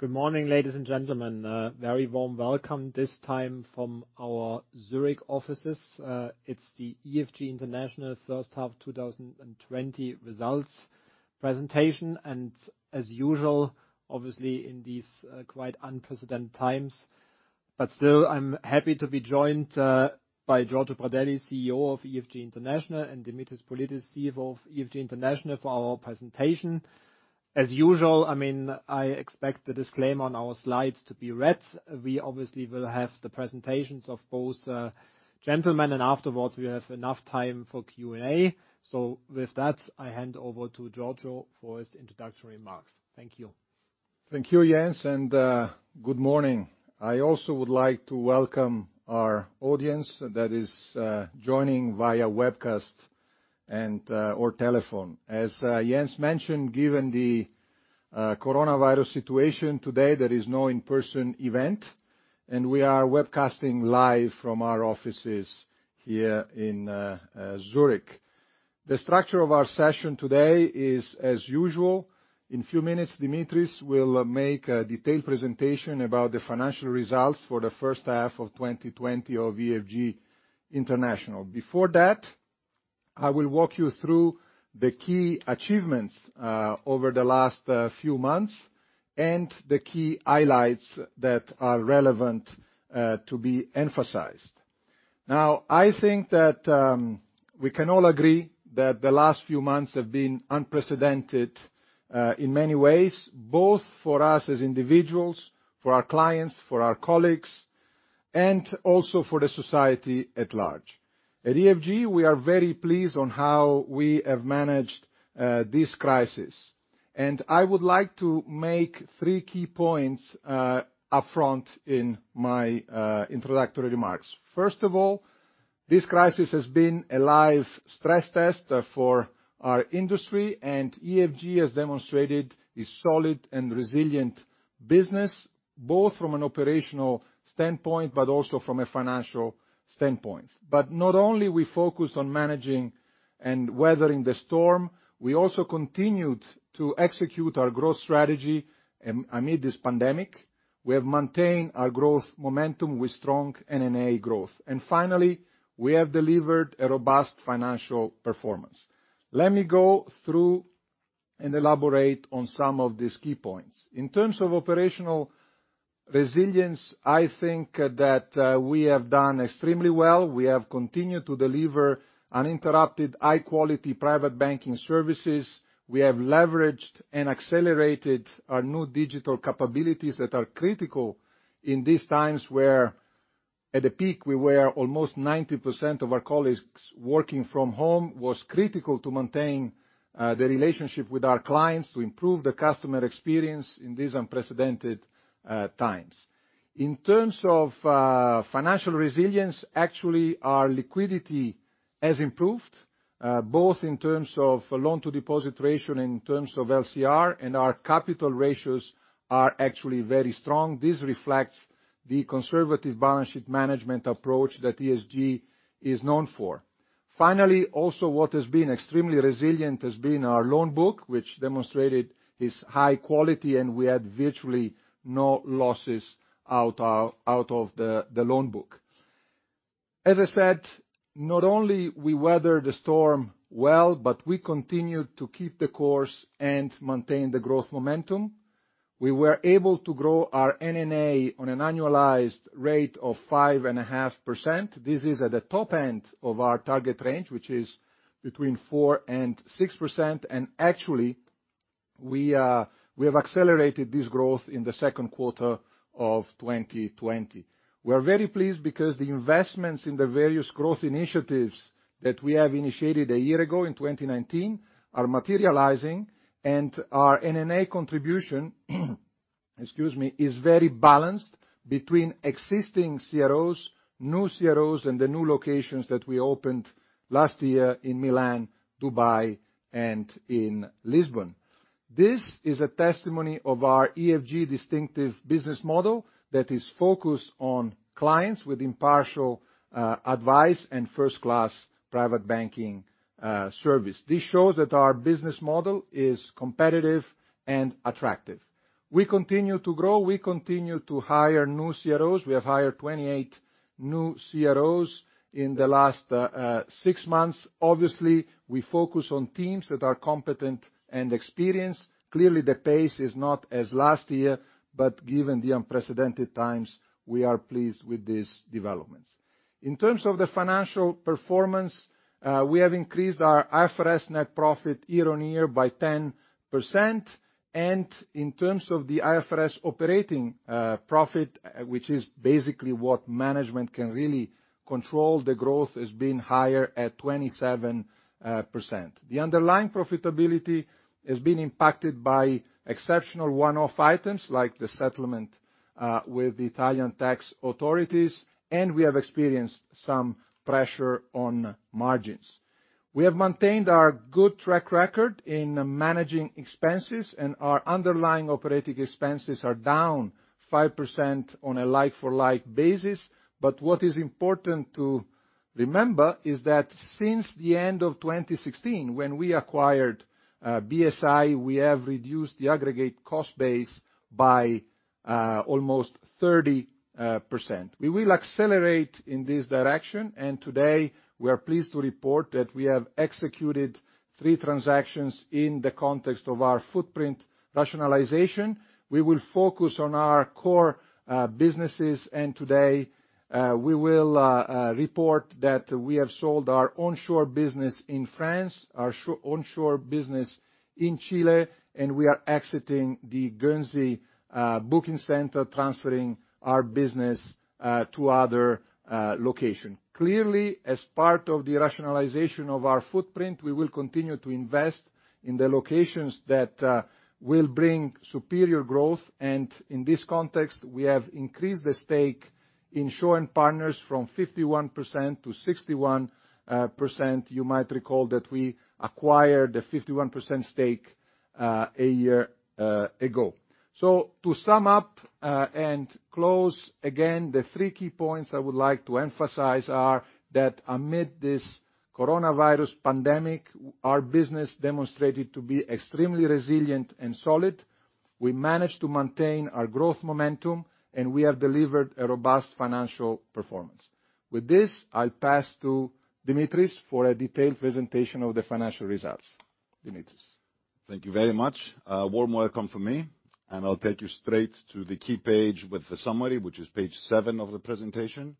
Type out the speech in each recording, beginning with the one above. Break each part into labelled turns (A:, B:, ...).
A: Good morning, ladies and gentlemen. A very warm welcome this time from our Zurich offices. It's the EFG International first half 2020 results presentation, and as usual, obviously in these quite unprecedented times, but still I'm happy to be joined by Giorgio Pradelli, CEO of EFG International, and Dimitris Politis, CFO of EFG International for our presentation. As usual, I expect the disclaimer on our slides to be read. We obviously will have the presentations of both gentlemen, and afterwards we have enough time for Q&A. With that, I hand over to Giorgio for his introductory remarks. Thank you.
B: Thank you, Jens, and good morning. I also would like to welcome our audience that is joining via webcast and/or telephone. As Jens mentioned, given the coronavirus situation today, there is no in-person event, and we are webcasting live from our offices here in Zurich. The structure of our session today is as usual. In few minutes, Dimitris will make a detailed presentation about the financial results for the first half of 2020 of EFG International. Before that, I will walk you through the key achievements over the last few months and the key highlights that are relevant to be emphasized. Now, I think that we can all agree that the last few months have been unprecedented in many ways, both for us as individuals, for our clients, for our colleagues, and also for the society at large. At EFG, we are very pleased on how we have managed this crisis, and I would like to make three key points upfront in my introductory remarks. First of all, this crisis has been a live stress test for our industry, and EFG has demonstrated a solid and resilient business, both from an operational standpoint, but also from a financial standpoint. Not only we focused on managing and weathering the storm, we also continued to execute our growth strategy amid this pandemic. We have maintained our growth momentum with strong NNA growth. Finally, we have delivered a robust financial performance. Let me go through and elaborate on some of these key points. In terms of operational resilience, I think that we have done extremely well. We have continued to deliver uninterrupted, high-quality private banking services. We have leveraged and accelerated our new digital capabilities that are critical in these times where at the peak we were almost 90% of our colleagues working from home, was critical to maintain the relationship with our clients, to improve the customer experience in these unprecedented times. In terms of financial resilience, actually, our liquidity has improved, both in terms of loan to deposit ratio and in terms of LCR, and our capital ratios are actually very strong. This reflects the conservative balance sheet management approach that EFG is known for. Finally, also what has been extremely resilient has been our loan book, which demonstrated its high quality, and we had virtually no losses out of the loan book. As I said, not only we weather the storm well, but we continued to keep the course and maintain the growth momentum. We were able to grow our NNA on an annualized rate of 5.5%. This is at the top end of our target range, which is between 4% and 6%, and actually, we have accelerated this growth in the second quarter of 2020. We are very pleased because the investments in the various growth initiatives that we have initiated a year ago in 2019 are materializing, and our NNA contribution is very balanced between existing CROs, new CROs, and the new locations that we opened last year in Milan, Dubai, and in Lisbon. This is a testimony of our EFG distinctive business model that is focused on clients with impartial advice and first-class private banking service. This shows that our business model is competitive and attractive. We continue to grow, we continue to hire new CROs. We have hired 28 new CROs in the last six months. Obviously, we focus on teams that are competent and experienced. Clearly, the pace is not as last year, but given the unprecedented times, we are pleased with these developments. In terms of the financial performance, we have increased our IFRS net profit year on year by 10%, and in terms of the IFRS operating profit, which is basically what management can really control, the growth has been higher at 27%. The underlying profitability has been impacted by exceptional one-off items like the settlement with the Italian tax authorities, and we have experienced some pressure on margins. We have maintained our good track record in managing expenses, and our underlying operating expenses are down 5% on a like-for-like basis. What is important to remember is that since the end of 2016, when we acquired BSI, we have reduced the aggregate cost base by almost 30%. We will accelerate in this direction. Today we are pleased to report that we have executed three transactions in the context of our footprint rationalization. We will focus on our core businesses. Today we will report that we have sold our onshore business in France, our onshore business in Chile, and we are exiting the Guernsey booking center, transferring our business to other location. Clearly, as part of the rationalization of our footprint, we will continue to invest in the locations that will bring superior growth. In this context, we have increased the stake in Shaw & Partners from 51% to 61%. You might recall that we acquired the 51% stake a year ago. To sum up and close, again, the three key points I would like to emphasize are that amid this coronavirus pandemic, our business demonstrated to be extremely resilient and solid. We managed to maintain our growth momentum, and we have delivered a robust financial performance. With this, I will pass to Dimitris for a detailed presentation of the financial results. Dimitris.
C: Thank you very much. A warm welcome from me, and I'll take you straight to the key page with the summary, which is page seven of the presentation.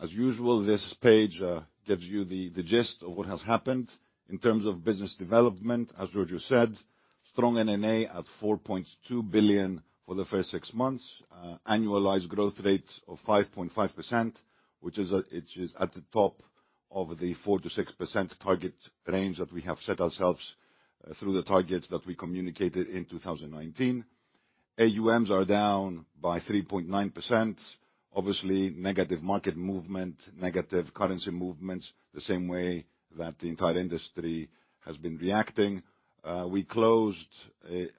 C: As usual, this page gives you the gist of what has happened in terms of business development. As Giorgio said, strong NNA at 4.2 billion for the first six months. Annualized growth rates of 5.5%, which is at the top of the 4%-6% target range that we have set ourselves through the targets that we communicated in 2019. AUMs are down by 3.9%. Obviously, negative market movement, negative currency movements, the same way that the entire industry has been reacting. We closed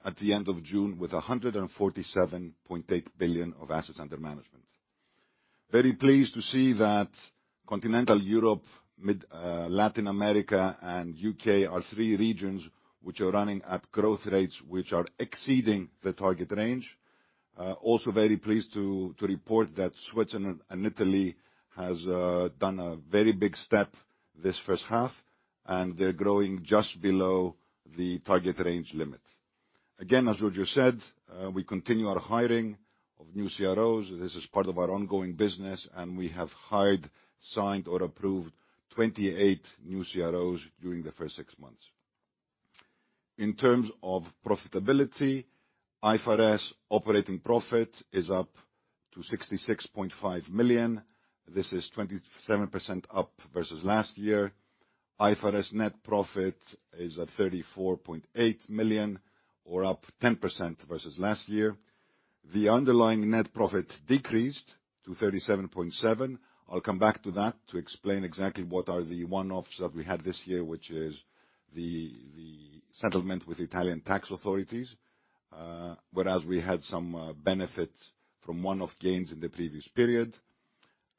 C: at the end of June with 147.8 billion of Assets Under Management. Very pleased to see that Continental Europe, Latin America, and U.K. are three regions which are running at growth rates, which are exceeding the target range. Very pleased to report that Switzerland and Italy has done a very big step this first half, and they're growing just below the target range limit. As Giorgio said, we continue our hiring of new CROs. This is part of our ongoing business, we have hired, signed, or approved 28 new CROs during the first six months. In terms of profitability, IFRS operating profit is up to 66.5 million. This is 27% up versus last year. IFRS net profit is at 34.8 million, or up 10% versus last year. The underlying net profit decreased to 37.7. I'll come back to that to explain exactly what are the one-offs that we had this year, which is the settlement with Italian tax authorities, whereas we had some benefits from one-off gains in the previous period.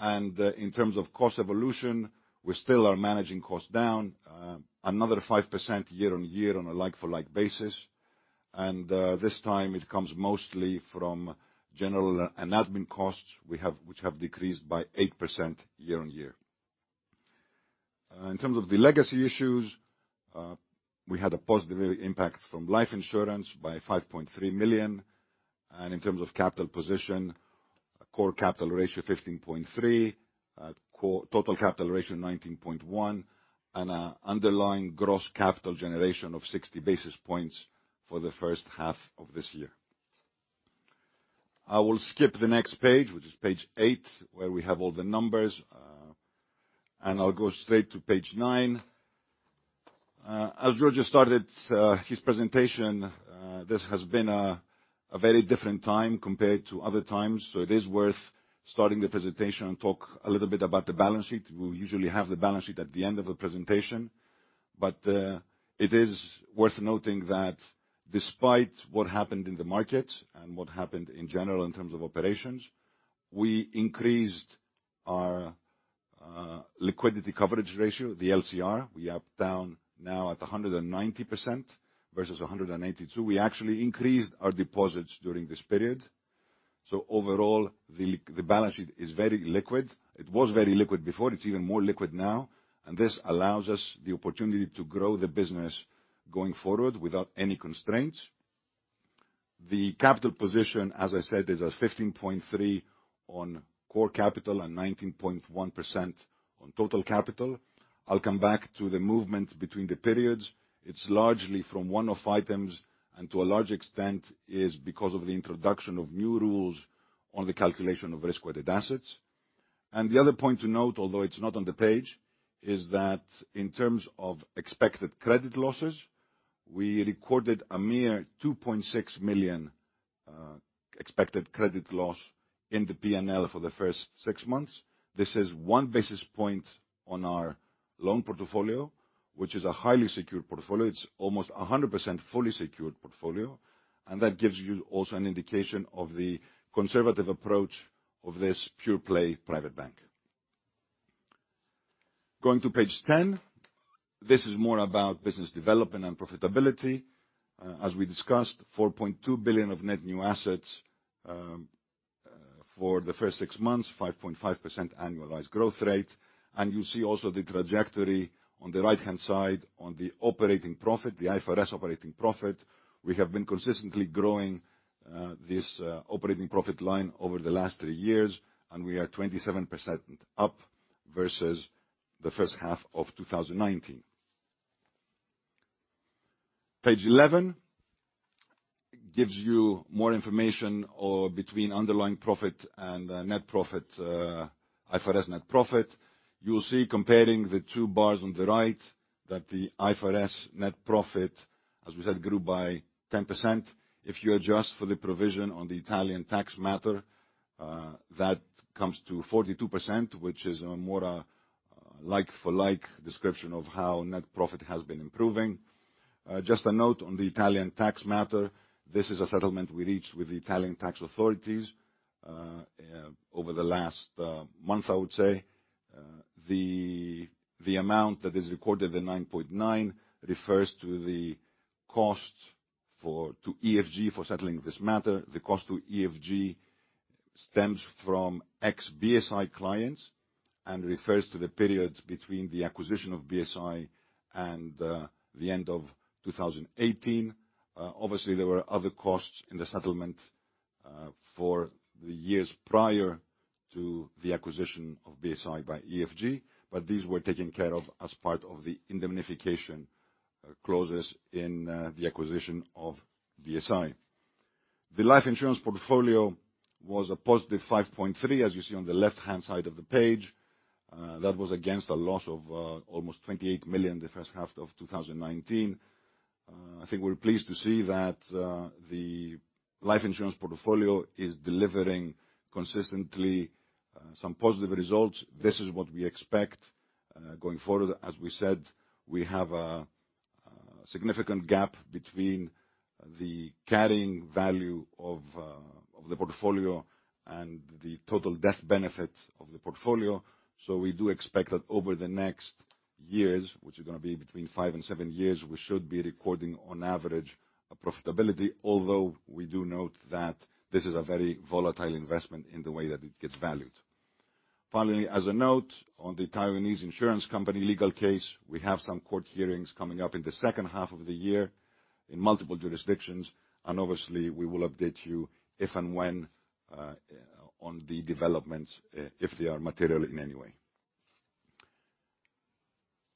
C: In terms of cost evolution, we still are managing costs down another 5% year-on-year on a like-for-like basis. This time it comes mostly from general and admin costs, which have decreased by 8% year-on-year. In terms of the legacy issues, we had a positive impact from life insurance by 5.3 million. In terms of capital position, core capital ratio 15.3, total capital ratio 19.1, and underlying gross capital generation of 60 basis points for the first half of this year. I will skip the next page, which is page eight, where we have all the numbers, I'll go straight to page nine. As Giorgio started his presentation, this has been a very different time compared to other times. It is worth starting the presentation and talk a little bit about the balance sheet. We usually have the balance sheet at the end of a presentation. It is worth noting that despite what happened in the market and what happened in general in terms of operations, we increased our liquidity coverage ratio, the LCR. We are down now at 190% versus 182. We actually increased our deposits during this period. Overall, the balance sheet is very liquid. It was very liquid before. It's even more liquid now, and this allows us the opportunity to grow the business going forward without any constraints. The capital position, as I said, is at 15.3 on core capital and 19.1% on total capital. I'll come back to the movement between the periods. It's largely from one-off items, and to a large extent, is because of the introduction of new rules on the calculation of risk-weighted assets. The other point to note, although it's not on the page, is that in terms of expected credit losses, we recorded a mere 2.6 million expected credit loss in the P&L for the first six months. This is one basis point on our loan portfolio, which is a highly secured portfolio. It's almost 100% fully secured portfolio, that gives you also an indication of the conservative approach of this pure play private bank. Going to page 10, this is more about business development and profitability. As we discussed, 4.2 billion of net new assets for the first six months, 5.5% annualized growth rate. You see also the trajectory on the right-hand side on the operating profit, the IFRS operating profit. We have been consistently growing this operating profit line over the last three years, we are 27% up versus the first half of 2019. Page 11 gives you more information between underlying profit and net profit, IFRS net profit. You will see comparing the two bars on the right, that the IFRS net profit, as we said, grew by 10%. If you adjust for the provision on the Italian tax matter, that comes to 42%, which is more like for like description of how net profit has been improving. Just a note on the Italian tax matter, this is a settlement we reached with the Italian tax authorities, over the last month, I would say. The amount that is recorded, the 9.9, refers to the cost to EFG for settling this matter. The cost to EFG stems from ex-BSI clients and refers to the periods between the acquisition of BSI and the end of 2018. There were other costs in the settlement for the years prior to the acquisition of BSI by EFG, but these were taken care of as part of the indemnification clauses in the acquisition of BSI. The life insurance portfolio was a positive 5.3, as you see on the left-hand side of the page. That was against a loss of almost 28 million the first half of 2019. I think we're pleased to see that the life insurance portfolio is delivering consistently some positive results. This is what we expect going forward. As we said, we have a significant gap between the carrying value of the portfolio and the total death benefit of the portfolio. We do expect that over the next years, which are going to be between five and seven years, we should be recording, on average, a profitability, although we do note that this is a very volatile investment in the way that it gets valued. Finally, as a note on the Taiwanese insurance company legal case, we have some court hearings coming up in the second half of the year in multiple jurisdictions, and obviously, we will update you if and when on the developments, if they are material in any way.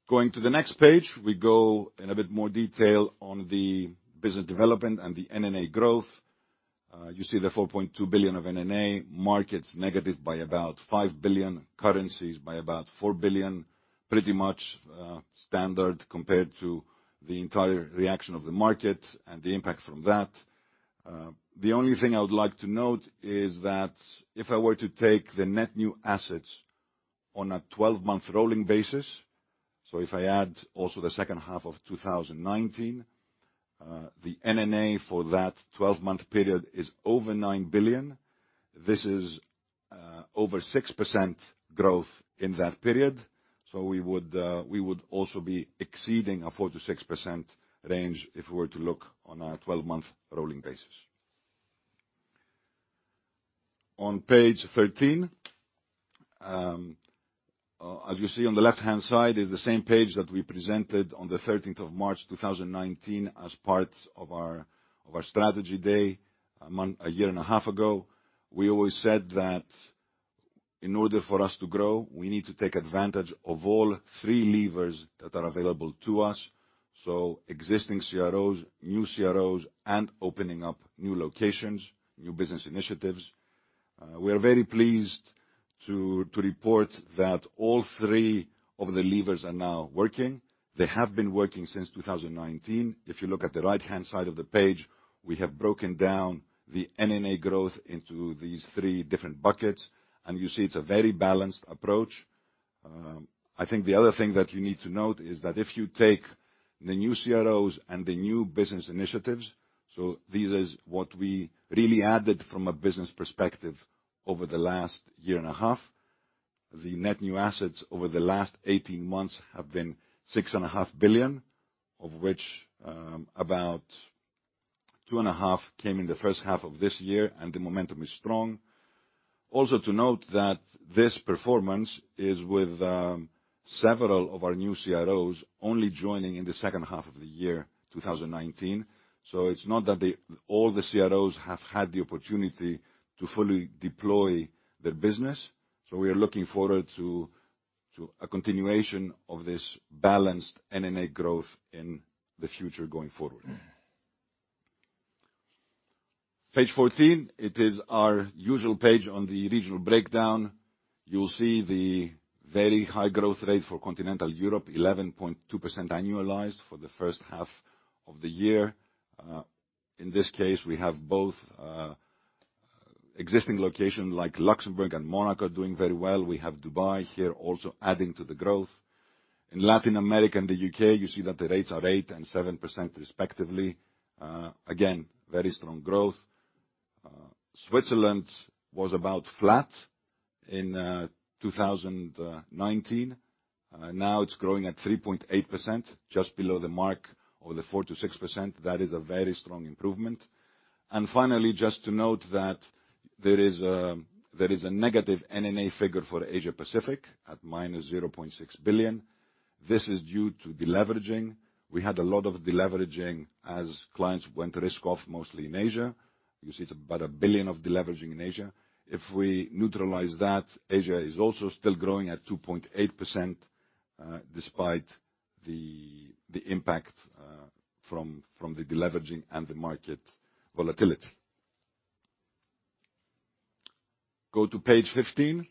C: Going to the next page, we go in a bit more detail on the business development and the NNA growth. You see the 4.2 billion of NNA markets negative by about 5 billion, currencies by about 4 billion, pretty much standard compared to the entire reaction of the market and the impact from that. The only thing I would like to note is that if I were to take the net new assets on a 12-month rolling basis, if I add also the second half of 2019, the NNA for that 12-month period is over 9 billion. This is over 6% growth in that period. We would also be exceeding a 4%-6% range if we were to look on a 12-month rolling basis. On page 13, as you see on the left-hand side, is the same page that we presented on the 13th of March 2019 as part of our strategy day a year and a half ago. We always said that in order for us to grow, we need to take advantage of all three levers that are available to us. Existing CROs, new CROs, and opening up new locations, new business initiatives. We are very pleased to report that all three of the levers are now working. They have been working since 2019. If you look at the right-hand side of the page, we have broken down the NNA growth into these three different buckets, and you see it's a very balanced approach. I think the other thing that you need to note is that if you take the new CROs and the new business initiatives, so this is what we really added from a business perspective over the last year and a half. The net new assets over the last 18 months have been six and a half billion, of which about two and a half came in the first half of this year, and the momentum is strong. To note that this performance is with several of our new CROs only joining in the second half of the year 2019. It's not that all the CROs have had the opportunity to fully deploy their business. We are looking forward to a continuation of this balanced NNA growth in the future going forward. Page 14, it is our usual page on the regional breakdown. You will see the very high growth rate for Continental Europe, 11.2% annualized for the first half of the year. In this case, we have both existing location like Luxembourg and Monaco doing very well. We have Dubai here also adding to the growth. In Latin America and the U.K., you see that the rates are 8% and 7%, respectively. Again, very strong growth. Switzerland was about flat in 2019. It's growing at 3.8%, just below the mark of the 4%-6%. That is a very strong improvement. Finally, just to note that there is a negative NNA figure for Asia-Pacific at minus 0.6 billion. This is due to deleveraging. We had a lot of deleveraging as clients went risk-off, mostly in Asia. You see it's about 1 billion of deleveraging in Asia. If we neutralize that, Asia is also still growing at 2.8%, despite the impact from the deleveraging and the market volatility. Go to page 15.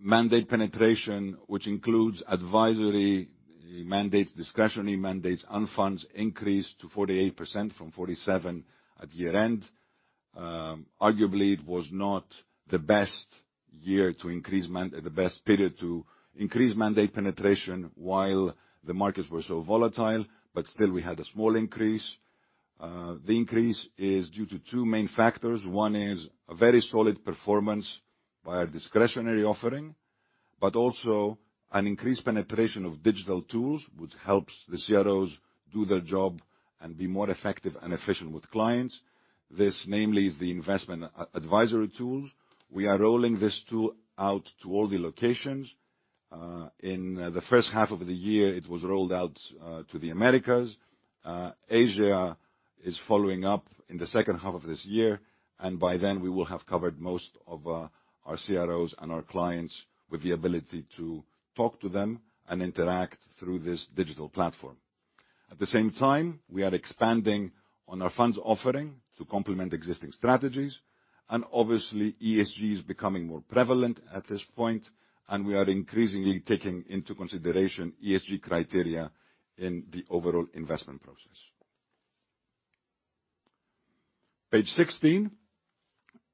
C: Mandate penetration, which includes advisory mandates, discretionary mandates, and funds increased to 48% from 47% at year-end. Arguably, it was not the best period to increase mandate penetration while the markets were so volatile, but still, we had a small increase. The increase is due to two main factors. One is a very solid performance by our discretionary offering, but also an increased penetration of digital tools, which helps the CROs do their job and be more effective and efficient with clients. This namely is the investment advisory tools. We are rolling this tool out to all the locations. In the first half of the year, it was rolled out to the Americas. Asia is following up in the second half of this year, and by then we will have covered most of our CROs and our clients with the ability to talk to them and interact through this digital platform. At the same time, we are expanding on our funds offering to complement existing strategies, and obviously ESG is becoming more prevalent at this point, and we are increasingly taking into consideration ESG criteria in the overall investment process. Page 16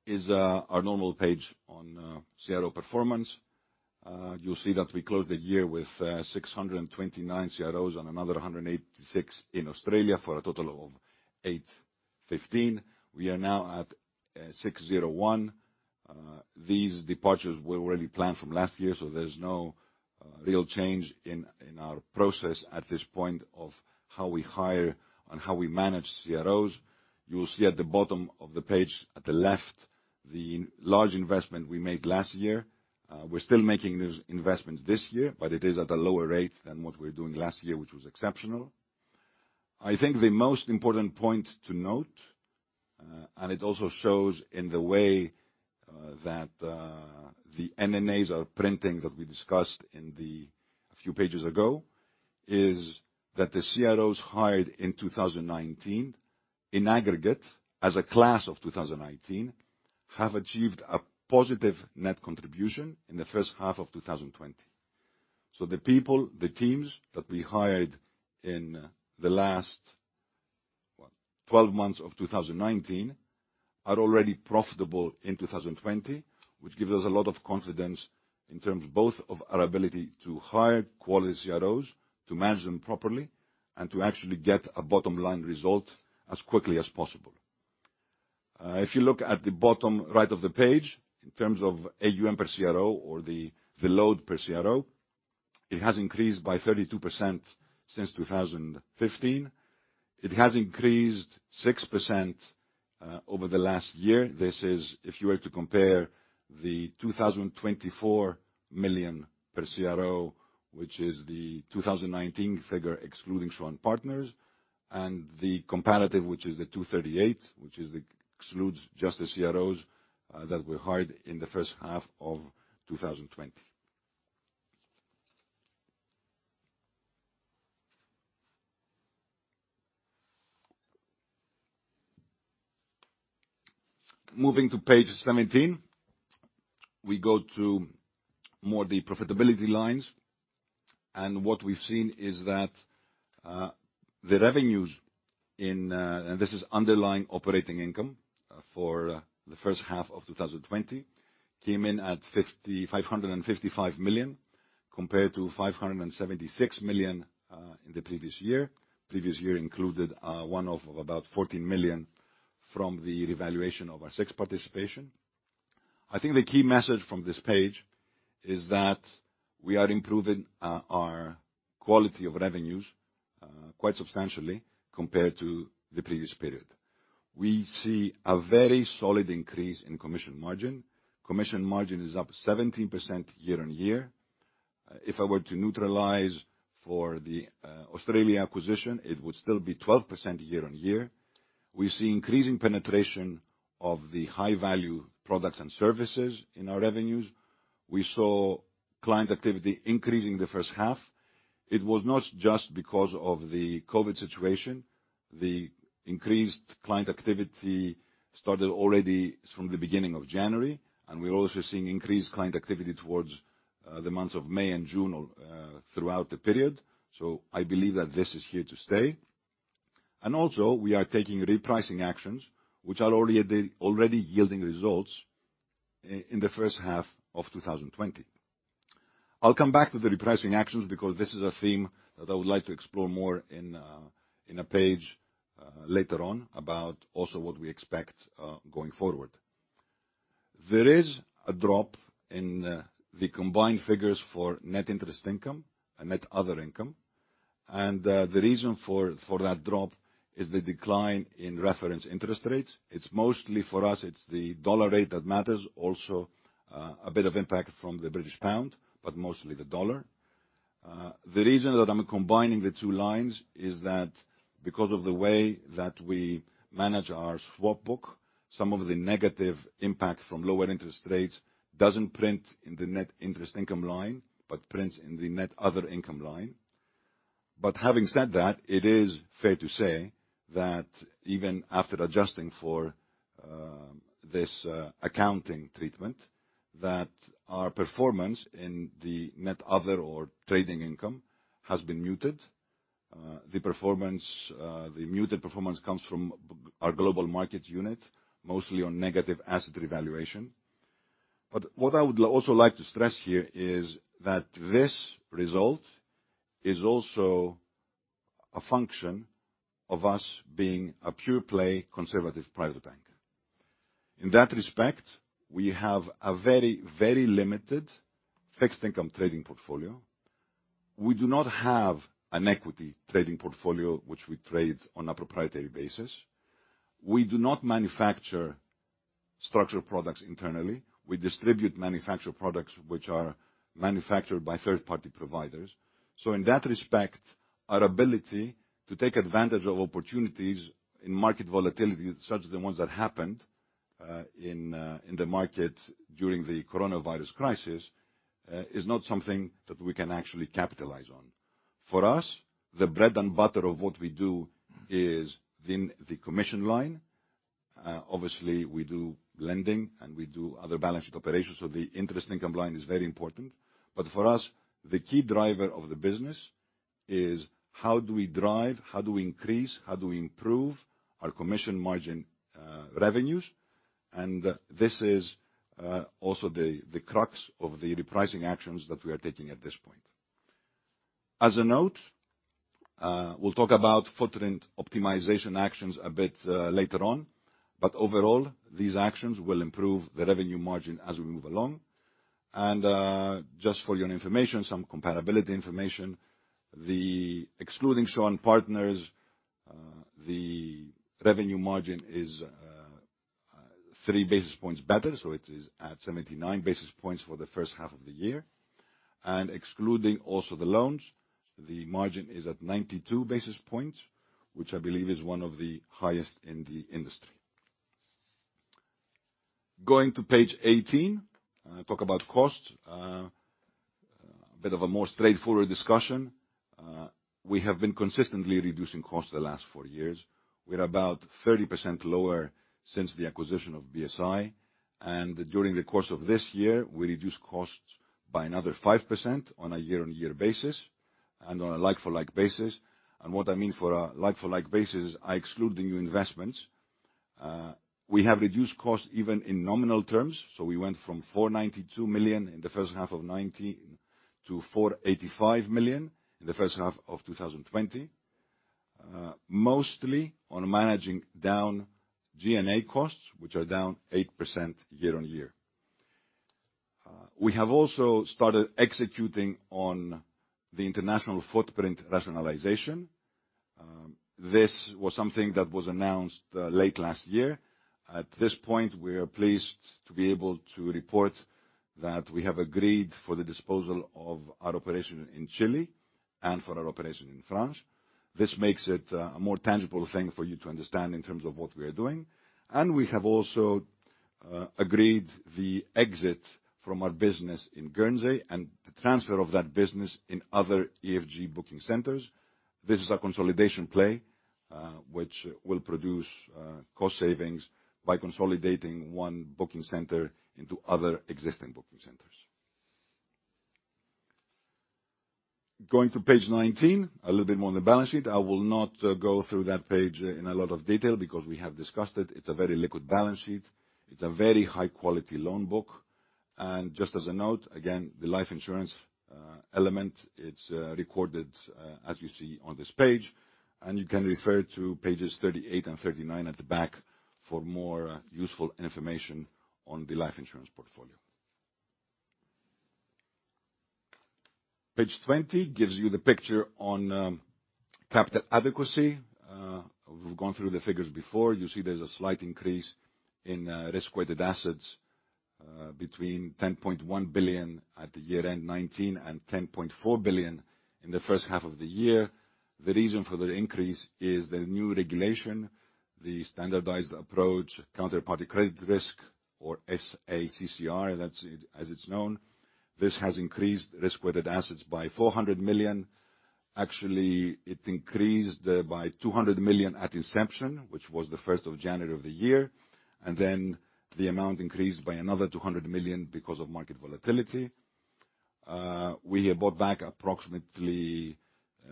C: is our normal page on CRO performance. You'll see that we closed the year with 629 CROs and another 186 in Australia for a total of 815. We are now at 601. These departures were already planned from last year, so there's no real change in our process at this point of how we hire and how we manage CROs. You will see at the bottom of the page at the left, the large investment we made last year. We're still making these investments this year, but it is at a lower rate than what we were doing last year, which was exceptional. I think the most important point to note, and it also shows in the way that the NNAs are printing that we discussed a few pages ago, is that the CROs hired in 2019, in aggregate as a class of 2019, have achieved a positive net contribution in the first half of 2020. The people, the teams that we hired in the last 12 months of 2019 are already profitable in 2020, which gives us a lot of confidence in terms both of our ability to hire quality CROs, to manage them properly, and to actually get a bottom-line result as quickly as possible. If you look at the bottom right of the page, in terms of AUM per CRO or the load per CRO, it has increased by 32% since 2015. It has increased 6% over the last year. This is if you were to compare the 2,024 million per CRO, which is the 2019 figure excluding Shaw & Partners, and the comparative, which is the 238, which excludes just the CROs that we hired in the first half of 2020. Moving to page 17, we go to more the profitability lines. What we've seen is that the revenues, and this is underlying operating income for the first half of 2020, came in at 555 million, compared to 576 million in the previous year. Previous year included one-off of about 14 million from the revaluation of our SIX participation. I think the key message from this page is that we are improving our quality of revenues quite substantially compared to the previous period. We see a very solid increase in commission margin. Commission margin is up 17% year-on-year. If I were to neutralize for the Australia acquisition, it would still be 12% year-on-year. We see increasing penetration of the high-value products and services in our revenues. We saw client activity increase in the first half. It was not just because of the COVID situation. The increased client activity started already from the beginning of January, and we're also seeing increased client activity towards the months of May and June throughout the period. I believe that this is here to stay. Also, we are taking repricing actions, which are already yielding results in the first half of 2020. I'll come back to the repricing actions because this is a theme that I would like to explore more in a page later on about also what we expect going forward. There is a drop in the combined figures for net interest income and net other income, and the reason for that drop is the decline in reference interest rates. Mostly for us, it's the USD rate that matters, also a bit of impact from the British pound, but mostly the USD. The reason that I'm combining the two lines is that because of the way that we manage our swap book, some of the negative impact from lower interest rates doesn't print in the net interest income line, but prints in the net other income line. Having said that, it is fair to say that even after adjusting for this accounting treatment, that our performance in the net other or trading income has been muted. The muted performance comes from our global market unit, mostly on negative asset revaluation. What I would also like to stress here is that this result is also a function of us being a pure play conservative private bank. In that respect, we have a very limited fixed income trading portfolio. We do not have an equity trading portfolio, which we trade on a proprietary basis. We do not manufacture structured products internally. We distribute manufactured products which are manufactured by third-party providers. In that respect, our ability to take advantage of opportunities in market volatility, such as the ones that happened in the market during the coronavirus crisis, is not something that we can actually capitalize on. For us, the bread and butter of what we do is the commission line. Obviously, we do lending and we do other balance sheet operations. The interest income line is very important. For us, the key driver of the business is how do we drive, how do we increase, how do we improve our commission margin revenues, and this is also the crux of the repricing actions that we are taking at this point. As a note, we'll talk about footprint optimization actions a bit later on, but overall, these actions will improve the revenue margin as we move along. Just for your information, some compatibility information, excluding Shaw & Partners, the revenue margin is three basis points better. It is at 79 basis points for the first half of the year. Excluding also the loans, the margin is at 92 basis points, which I believe is one of the highest in the industry. Going to page 18, talk about costs. A bit of a more straightforward discussion. We have been consistently reducing costs the last four years, with about 30% lower since the acquisition of BSI. During the course of this year, we reduced costs by another 5% on a year-on-year basis and on a like-for-like basis. What I mean for a like-for-like basis, I exclude the new investments. We have reduced costs even in nominal terms. We went from 492 million in the first half of 2019 to 485 million in the first half of 2020. Mostly on managing down G&A costs, which are down 8% year-on-year. We have also started executing on the international footprint rationalization. This was something that was announced late last year. At this point, we are pleased to be able to report that we have agreed for the disposal of our operation in Chile and for our operation in France. This makes it a more tangible thing for you to understand in terms of what we are doing. We have also agreed the exit from our business in Guernsey and the transfer of that business in other EFG booking centers. This is a consolidation play, which will produce cost savings by consolidating one booking center into other existing booking centers. Going to page 19, a little bit more on the balance sheet. I will not go through that page in a lot of detail because we have discussed it. It's a very liquid balance sheet. It's a very high-quality loan book. Just as a note, again, the life insurance element, it's recorded as you see on this page. You can refer to pages 38 and 39 at the back for more useful information on the life insurance portfolio. Page 20 gives you the picture on capital adequacy. We've gone through the figures before. You see there's a slight increase in risk-weighted assets between 10.1 billion at the year-end 2019 and 10.4 billion in the first half of the year. The reason for the increase is the new regulation, the Standardised Approach for Counterparty Credit Risk or SA-CCR, as it's known. This has increased risk-weighted assets by 400 million. Actually, it increased by 200 million at inception, which was the 1st of January of the year. Then the amount increased by another 200 million because of market volatility. We bought back approximately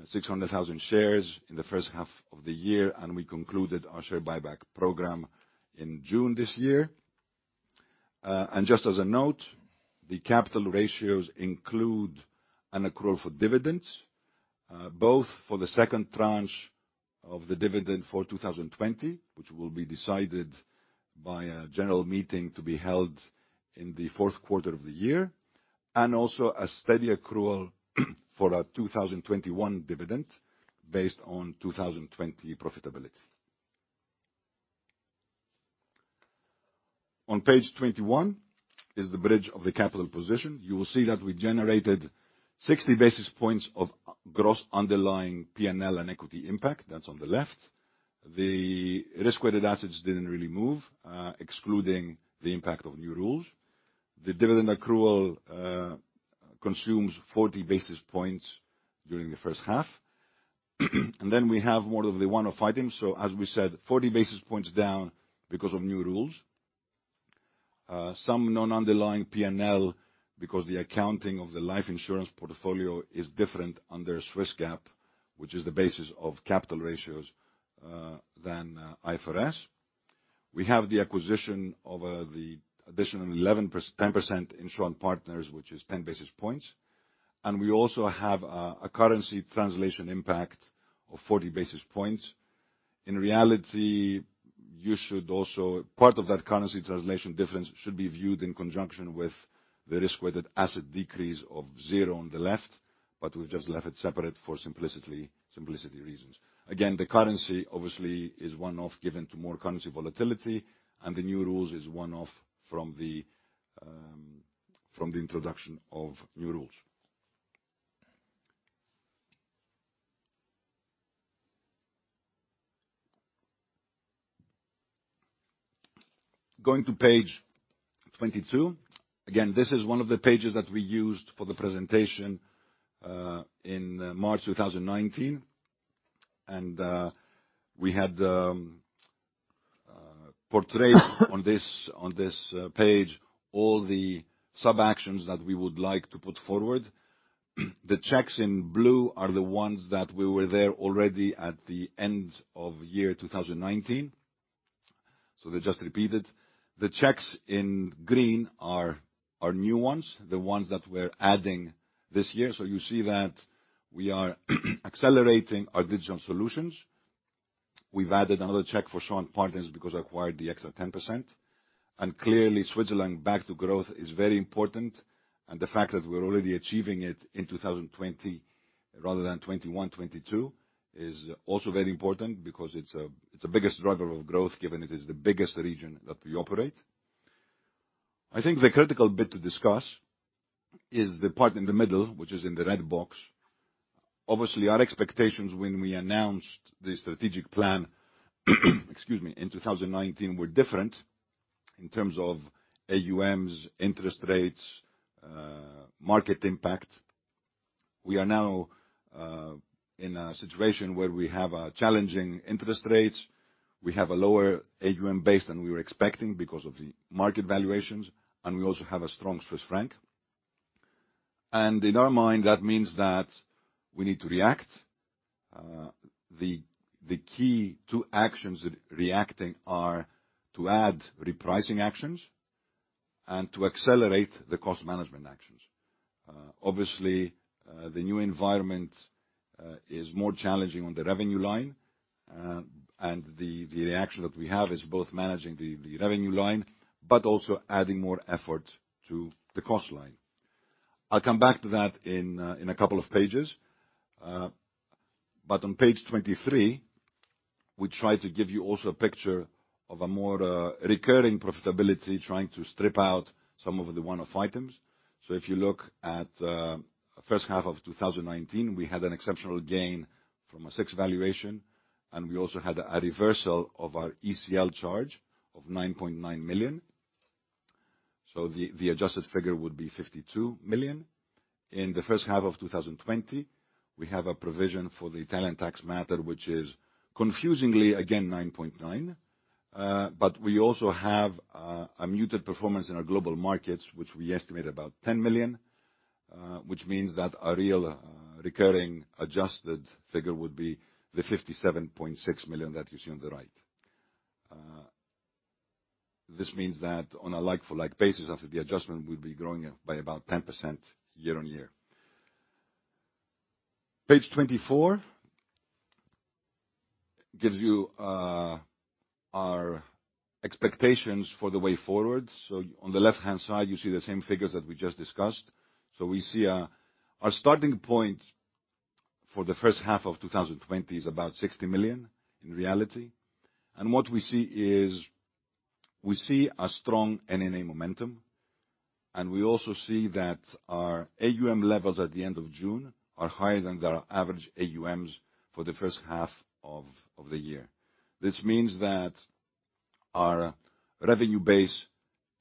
C: 600,000 shares in the first half of the year, and we concluded our share buyback program in June this year. Just as a note, the capital ratios include an accrual for dividends, both for the second tranche of the dividend for 2020, which will be decided by a general meeting to be held in the fourth quarter of the year, and also a steady accrual for our 2021 dividend based on 2020 profitability. On page 21 is the bridge of the capital position. You will see that we generated 60 basis points of gross underlying P&L and equity impact. That's on the left. The risk-weighted assets didn't really move, excluding the impact of new rules. The dividend accrual consumes 40 basis points during the first half. We have more of the one-off items. As we said, 40 basis points down because of new rules. Some non-underlying P&L because the accounting of the life insurance portfolio is different under Swiss GAAP, which is the basis of capital ratios than IFRS. We have the acquisition of the additional 10% in Shaw & Partners, which is 10 basis points. We also have a currency translation impact of 40 basis points. In reality, part of that currency translation difference should be viewed in conjunction with the risk-weighted asset decrease of zero on the left, but we've just left it separate for simplicity reasons. Again, the currency obviously is one-off, given to more currency volatility, and the new rules is one-off from the introduction of new rules. Going to page 22. Again, this is one of the pages that we used for the presentation in March 2019. We had portrayed on this page all the sub-actions that we would like to put forward. The checks in blue are the ones that were there already at the end of year 2019, so they're just repeated. The checks in green are new ones, the ones that we're adding this year. You see that we are accelerating our digital solutions. We've added another check for Shaw & Partners because we acquired the extra 10%. Clearly, Switzerland back to growth is very important. The fact that we're already achieving it in 2020 rather than 2021, 2022 is also very important because it's the biggest driver of growth, given it is the biggest region that we operate. I think the critical bit to discuss is the part in the middle, which is in the red box. Our expectations when we announced the strategic plan in 2019 were different in terms of AUMs, interest rates, market impact. We are now in a situation where we have challenging interest rates, we have a lower AUM base than we were expecting because of the market valuations, and we also have a strong Swiss franc. In our mind, that means that we need to react. The key to actions reacting are to add repricing actions and to accelerate the cost management actions. The new environment is more challenging on the revenue line, and the reaction that we have is both managing the revenue line but also adding more effort to the cost line. I'll come back to that in a couple of pages. On page 23, we try to give you also a picture of a more recurring profitability, trying to strip out some of the one-off items. If you look at first half of 2019, we had an exceptional gain from a tax valuation, and we also had a reversal of our ECL charge of 9.9 million. The adjusted figure would be 52 million. In the first half of 2020, we have a provision for the Italian tax matter, which is confusingly, again, 9.9. We also have a muted performance in our global markets, which we estimate about 10 million, which means that a real recurring adjusted figure would be the 57.6 million that you see on the right. This means that on a like-for-like basis after the adjustment, we'll be growing by about 10% year-on-year. Page 24 gives you our expectations for the way forward. On the left-hand side, you see the same figures that we just discussed. We see our starting point for the first half of 2020 is about 60 million in reality. What we see is, we see a strong NNA momentum, and we also see that our AUM levels at the end of June are higher than our average AUMs for the first half of the year. This means that our revenue base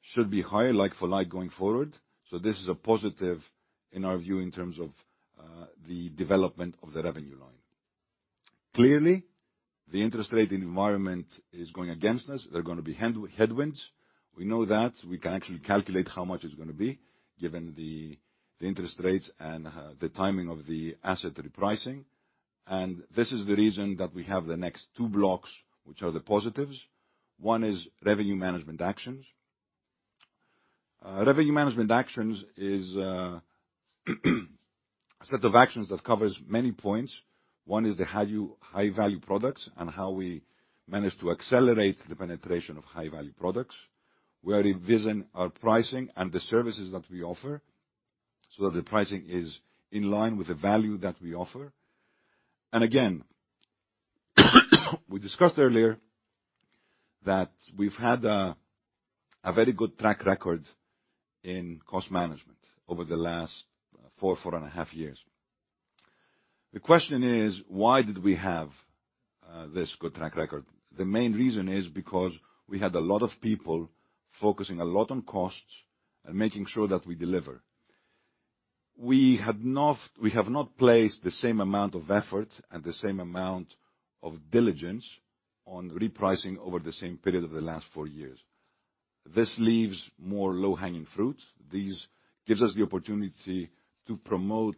C: should be higher like for like going forward. This is a positive in our view in terms of the development of the revenue line. Clearly, the interest rate environment is going against us. There are going to be headwinds. We know that. We can actually calculate how much it's going to be given the interest rates and the timing of the asset repricing. This is the reason that we have the next two blocks, which are the positives. One is revenue management actions. Revenue management actions is a set of actions that covers many points. One is the high-value products and how we manage to accelerate the penetration of high-value products. We are revising our pricing and the services that we offer so that the pricing is in line with the value that we offer. Again, we discussed earlier that we've had a very good track record in cost management over the last four and a half years. The question is, why did we have this good track record? The main reason is because we had a lot of people focusing a lot on costs and making sure that we deliver. We have not placed the same amount of effort and the same amount of diligence on repricing over the same period of the last four years. This leaves more low-hanging fruits. This gives us the opportunity to promote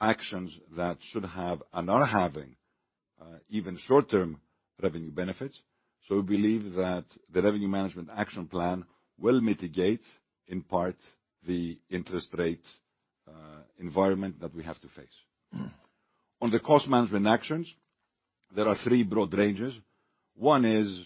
C: actions that should have and are having even short-term revenue benefits. We believe that the revenue management action plan will mitigate, in part, the interest rate environment that we have to face. On the cost management actions, there are three broad ranges. One is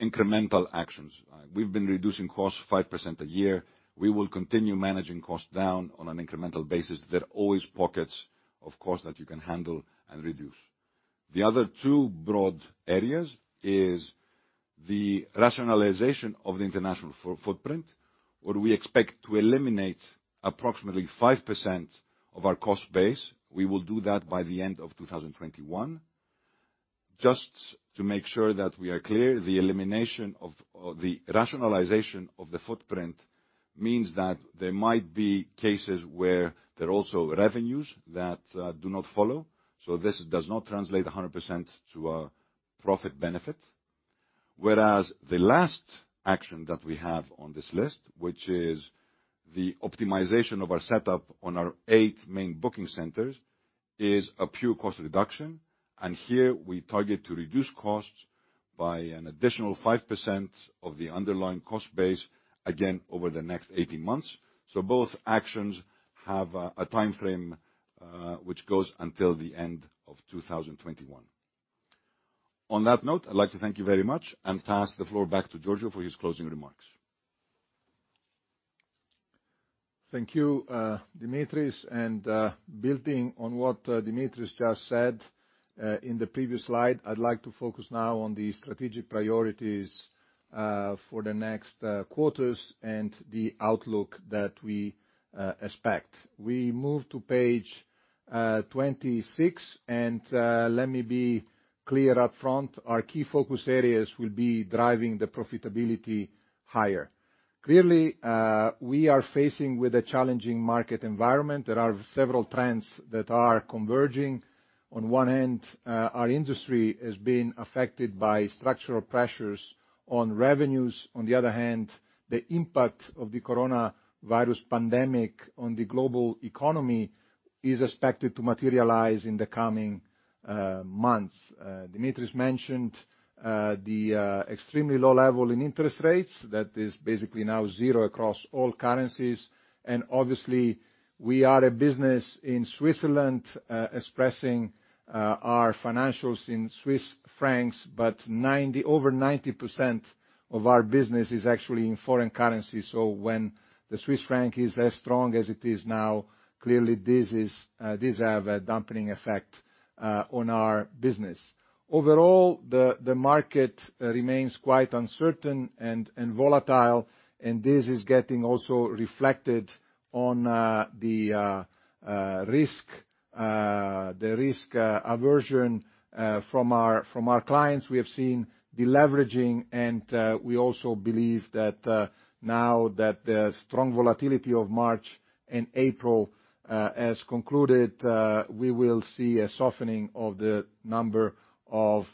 C: incremental actions. We've been reducing costs 5% a year. We will continue managing costs down on an incremental basis. There are always pockets, of course, that you can handle and reduce. The other two broad areas is the rationalization of the international footprint, where we expect to eliminate approximately 5% of our cost base. We will do that by the end of 2021. Just to make sure that we are clear, the rationalization of the footprint means that there might be cases where there are also revenues that do not follow. This does not translate 100% to a profit benefit. Whereas the last action that we have on this list, which is the optimization of our setup on our eight main booking centers, is a pure cost reduction, and here we target to reduce costs by an additional 5% of the underlying cost base, again, over the next 18 months. Both actions have a time frame which goes until the end of 2021. On that note, I'd like to thank you very much and pass the floor back to Giorgio for his closing remarks.
B: Thank you, Dimitris. Building on what Dimitris just said, in the previous slide, I'd like to focus now on the strategic priorities for the next quarters and the outlook that we expect. We move to page 26, let me be clear up front, our key focus areas will be driving the profitability higher. Clearly, we are facing with a challenging market environment. There are several trends that are converging. On one end, our industry is being affected by structural pressures on revenues. On the other hand, the impact of the coronavirus pandemic on the global economy is expected to materialize in the coming months. Dimitris mentioned the extremely low level in interest rates that is basically now zero across all currencies. Obviously, we are a business in Switzerland expressing our financials in Swiss francs, but over 90% of our business is actually in foreign currency. When the Swiss franc is as strong as it is now, clearly this have a dampening effect on our business. Overall, the market remains quite uncertain and volatile, and this is getting also reflected on the risk aversion from our clients. We have seen deleveraging, and we also believe that now that the strong volatility of March and April has concluded, we will see a softening of the number of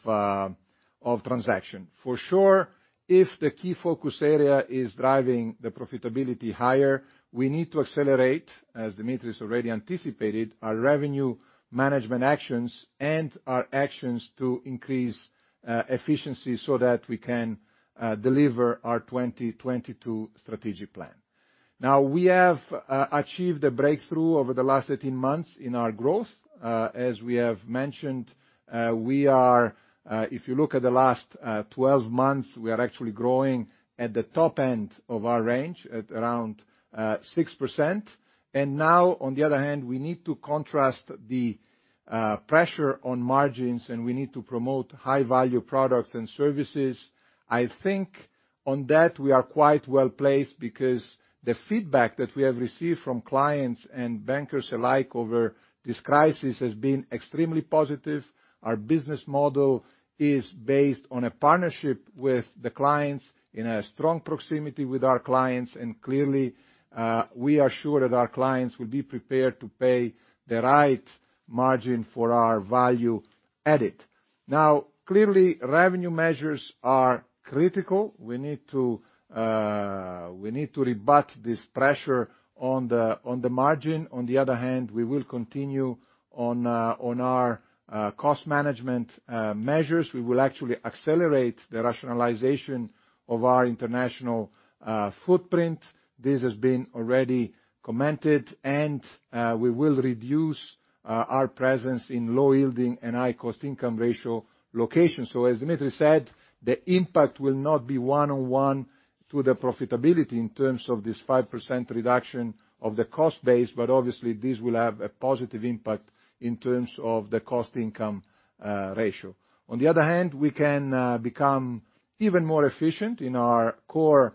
B: transaction. For sure, if the key focus area is driving the profitability higher, we need to accelerate, as Dimitris already anticipated, our revenue management actions and our actions to increase efficiency so that we can deliver our 2022 strategic plan. We have achieved a breakthrough over the last 18 months in our growth. As we have mentioned, if you look at the last 12 months, we are actually growing at the top end of our range at around 6%. Now, on the other hand, we need to contrast the pressure on margins, and we need to promote high-value products and services. I think on that, we are quite well-placed because the feedback that we have received from clients and bankers alike over this crisis has been extremely positive. Our business model is based on a partnership with the clients, in a strong proximity with our clients, and clearly, we are sure that our clients will be prepared to pay the right margin for our value-add. Now, clearly, revenue measures are critical. We need to rebut this pressure on the margin. On the other hand, we will continue on our cost management measures. We will actually accelerate the rationalization of our international footprint. This has been already commented, and we will reduce our presence in low-yielding and high-cost income ratio locations. As Dimitris said, the impact will not be one-on-one to the profitability in terms of this 5% reduction of the cost base, but obviously, this will have a positive impact in terms of the cost income ratio. On the other hand, we can become even more efficient in our core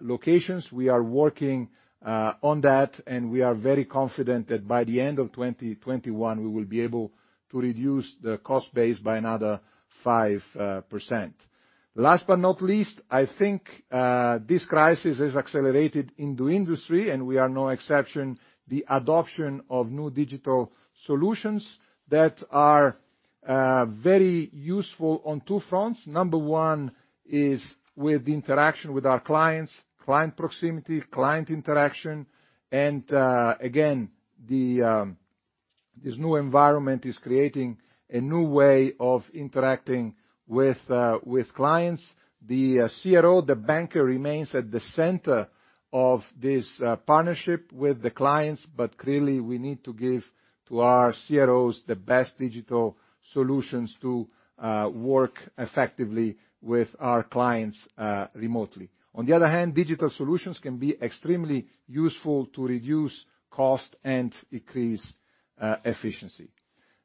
B: locations. We are working on that, and we are very confident that by the end of 2021, we will be able to reduce the cost base by another 5%. Last but not least, I think this crisis has accelerated in the industry, and we are no exception, the adoption of new digital solutions that are very useful on two fronts. Number one is with interaction with our clients, client proximity, client interaction. Again, this new environment is creating a new way of interacting with clients. The CRO, the banker, remains at the center of this partnership with the clients, clearly, we need to give to our CROs the best digital solutions to work effectively with our clients remotely. On the other hand, digital solutions can be extremely useful to reduce cost and increase efficiency.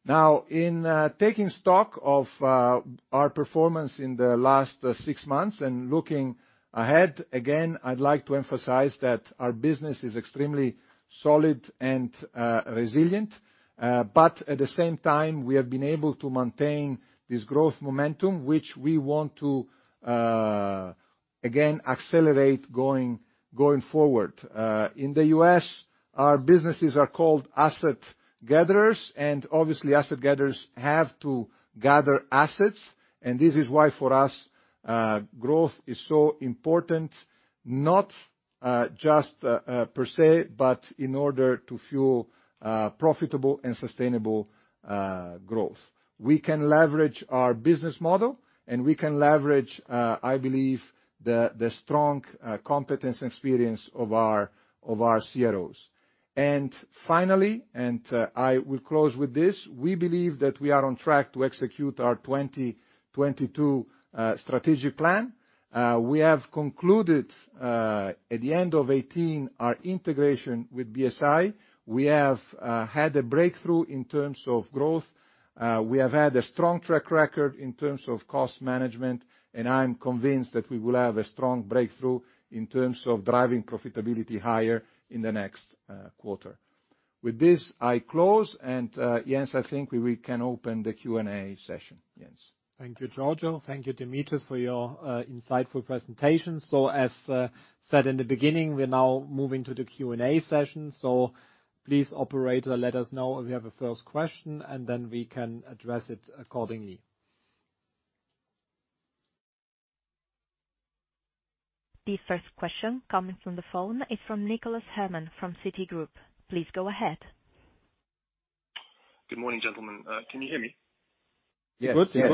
B: In taking stock of our performance in the last six months and looking ahead, again, I'd like to emphasize that our business is extremely solid and resilient. At the same time, we have been able to maintain this growth momentum, which we want to again accelerate going forward. In the U.S., our businesses are called asset gatherers, and obviously, asset gatherers have to gather assets, and this is why, for us, growth is so important, not just per se, but in order to fuel profitable and sustainable growth. We can leverage our business model, and we can leverage, I believe, the strong competence and experience of our CROs. Finally, and I will close with this, we believe that we are on track to execute our 2022 strategic plan. We have concluded at the end of 2018 our integration with BSI. We have had a breakthrough in terms of growth. We have had a strong track record in terms of cost management, and I am convinced that we will have a strong breakthrough in terms of driving profitability higher in the next quarter. With this, I close, and Jens, I think we can open the Q&A session. Jens.
A: Thank you, Giorgio. Thank you, Dimitris, for your insightful presentation. As said in the beginning, we're now moving to the Q&A session. Please, operator, let us know if we have a first question, and then we can address it accordingly.
D: The first question coming from the phone is from Nicholas Herman from Citigroup. Please go ahead.
E: Good morning, gentlemen. Can you hear me?
B: Yes.
A: Good. Yes.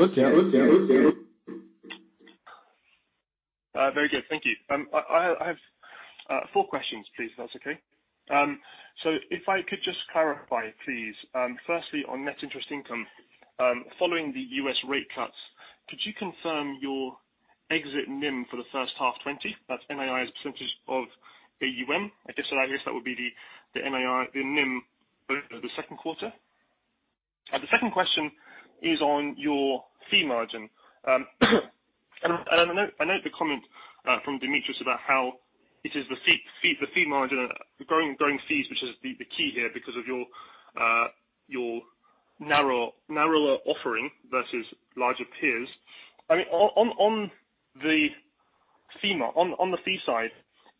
E: Very good. Thank you. I have four questions, please, if that's okay. If I could just clarify, please. Firstly, on net interest income, following the U.S. rate cuts, could you confirm your exit NIM for the first half 2020? That's NII as a percentage of AUM. I guess that would be the NIM for the second quarter. The second question is on your fee margin. I know the comment from Dimitris about how it is the fee margin, growing fees, which is the key here because of your narrower offering versus larger peers. On the fee side,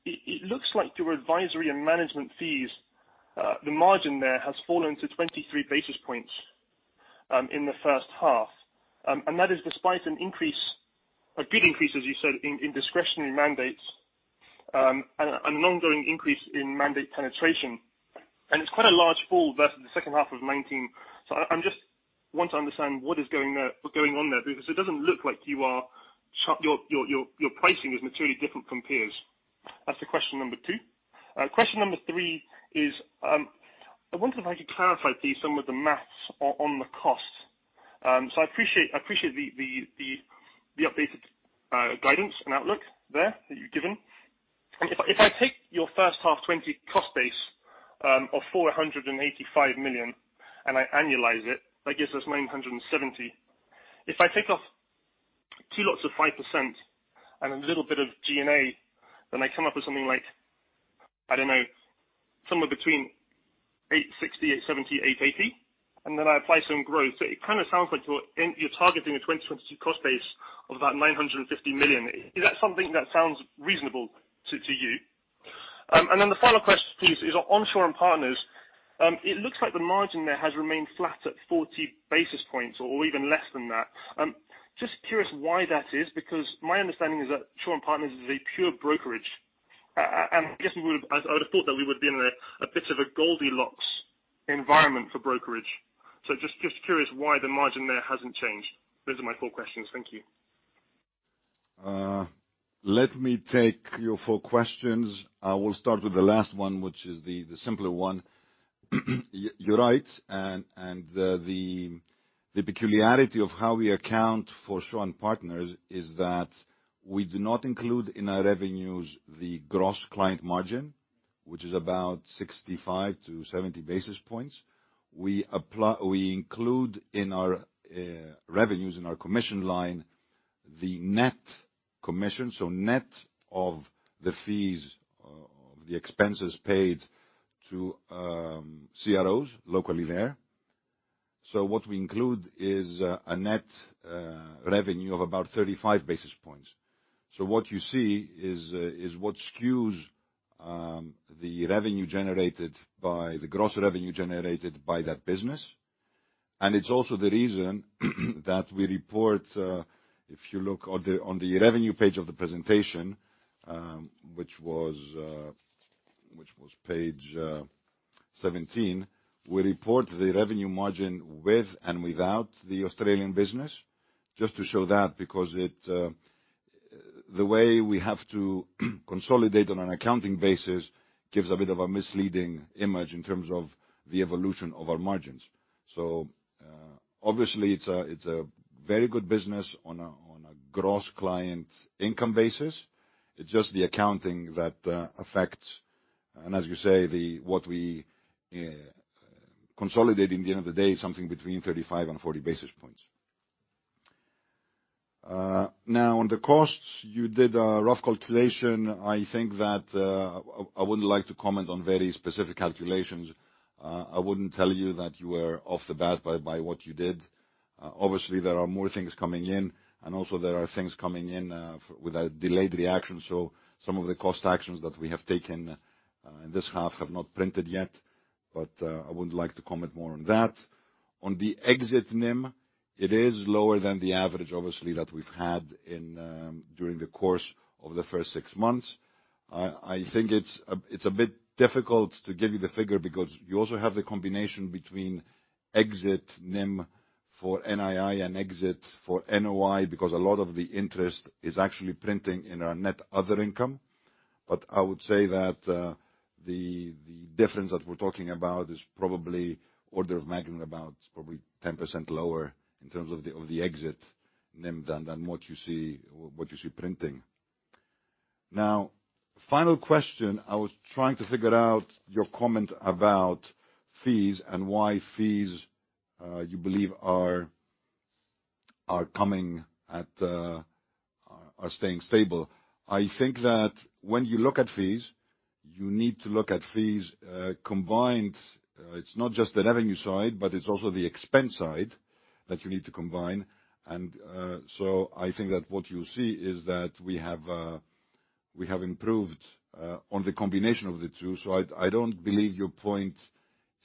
E: it looks like your advisory and management fees, the margin there has fallen to 23 basis points in the first half. That is despite an increase, a good increase, as you said, in discretionary mandates, and an ongoing increase in mandate penetration. It's quite a large fall versus the second half of 2019. I just want to understand what is going on there because it doesn't look like your pricing is materially different from peers. That's to question number two. Question number three is, I wonder if I could clarify please some of the math on the costs. I appreciate the updated guidance and outlook there that you've given. If I take your first half 2020 cost base of 485 million and I annualize it, that gives us 970 million. If I take off two lots of 5% and a little bit of G&A, then I come up with something like, I don't know, somewhere between 860, 870, 880, and then I apply some growth. It kind of sounds like you're targeting a 2022 cost base of about 950 million. Is that something that sounds reasonable to you? The follow-up question, please, is on Shaw & Partners. It looks like the margin there has remained flat at 40 basis points or even less than that. Just curious why that is, because my understanding is that Shaw & Partners is a pure brokerage, and I would have thought that we would have been in a bit of a Goldilocks environment for brokerage. Just curious why the margin there hasn't changed. Those are my four questions. Thank you.
C: Let me take your four questions. I will start with the last one, which is the simpler one. You're right. The peculiarity of how we account for Shaw & Partners is that we do not include in our revenues the gross client margin, which is about 65-70 basis points. We include in our revenues, in our commission line, the net commission, so net of the fees, the expenses paid to CROs locally there. What we include is a net revenue of about 35 basis points. What you see is what skews the gross revenue generated by that business, and it's also the reason that we report, if you look on the revenue page of the presentation, which was page 17, we report the revenue margin with and without the Australian business, just to show that because the way we have to consolidate on an accounting basis gives a bit of a misleading image in terms of the evolution of our margins. Obviously, it's a very good business on a gross client income basis. It's just the accounting that affects, and as you say, what we consolidate in the end of the day is something between 35 and 40 basis points. On the costs, you did a rough calculation. I think that I wouldn't like to comment on very specific calculations. I wouldn't tell you that you were off the bat by what you did. Obviously, there are more things coming in, and also there are things coming in with a delayed reaction. Some of the cost actions that we have taken in this half have not printed yet, but I wouldn't like to comment more on that. On the exit NIM, it is lower than the average, obviously, that we've had during the course of the first six months. I think it's a bit difficult to give you the figure because you also have the combination between exit NIM for NII and exit for NOI, because a lot of the interest is actually printing in our net other income. I would say that the difference that we're talking about is probably order of magnitude about probably 10% lower in terms of the exit NIM than what you see printing. Final question, I was trying to figure out your comment about fees and why fees you believe are staying stable. I think that when you look at fees, you need to look at fees combined. It's not just the revenue side, but it's also the expense side that you need to combine. I think that what you see is that we have improved on the combination of the two. I don't believe your point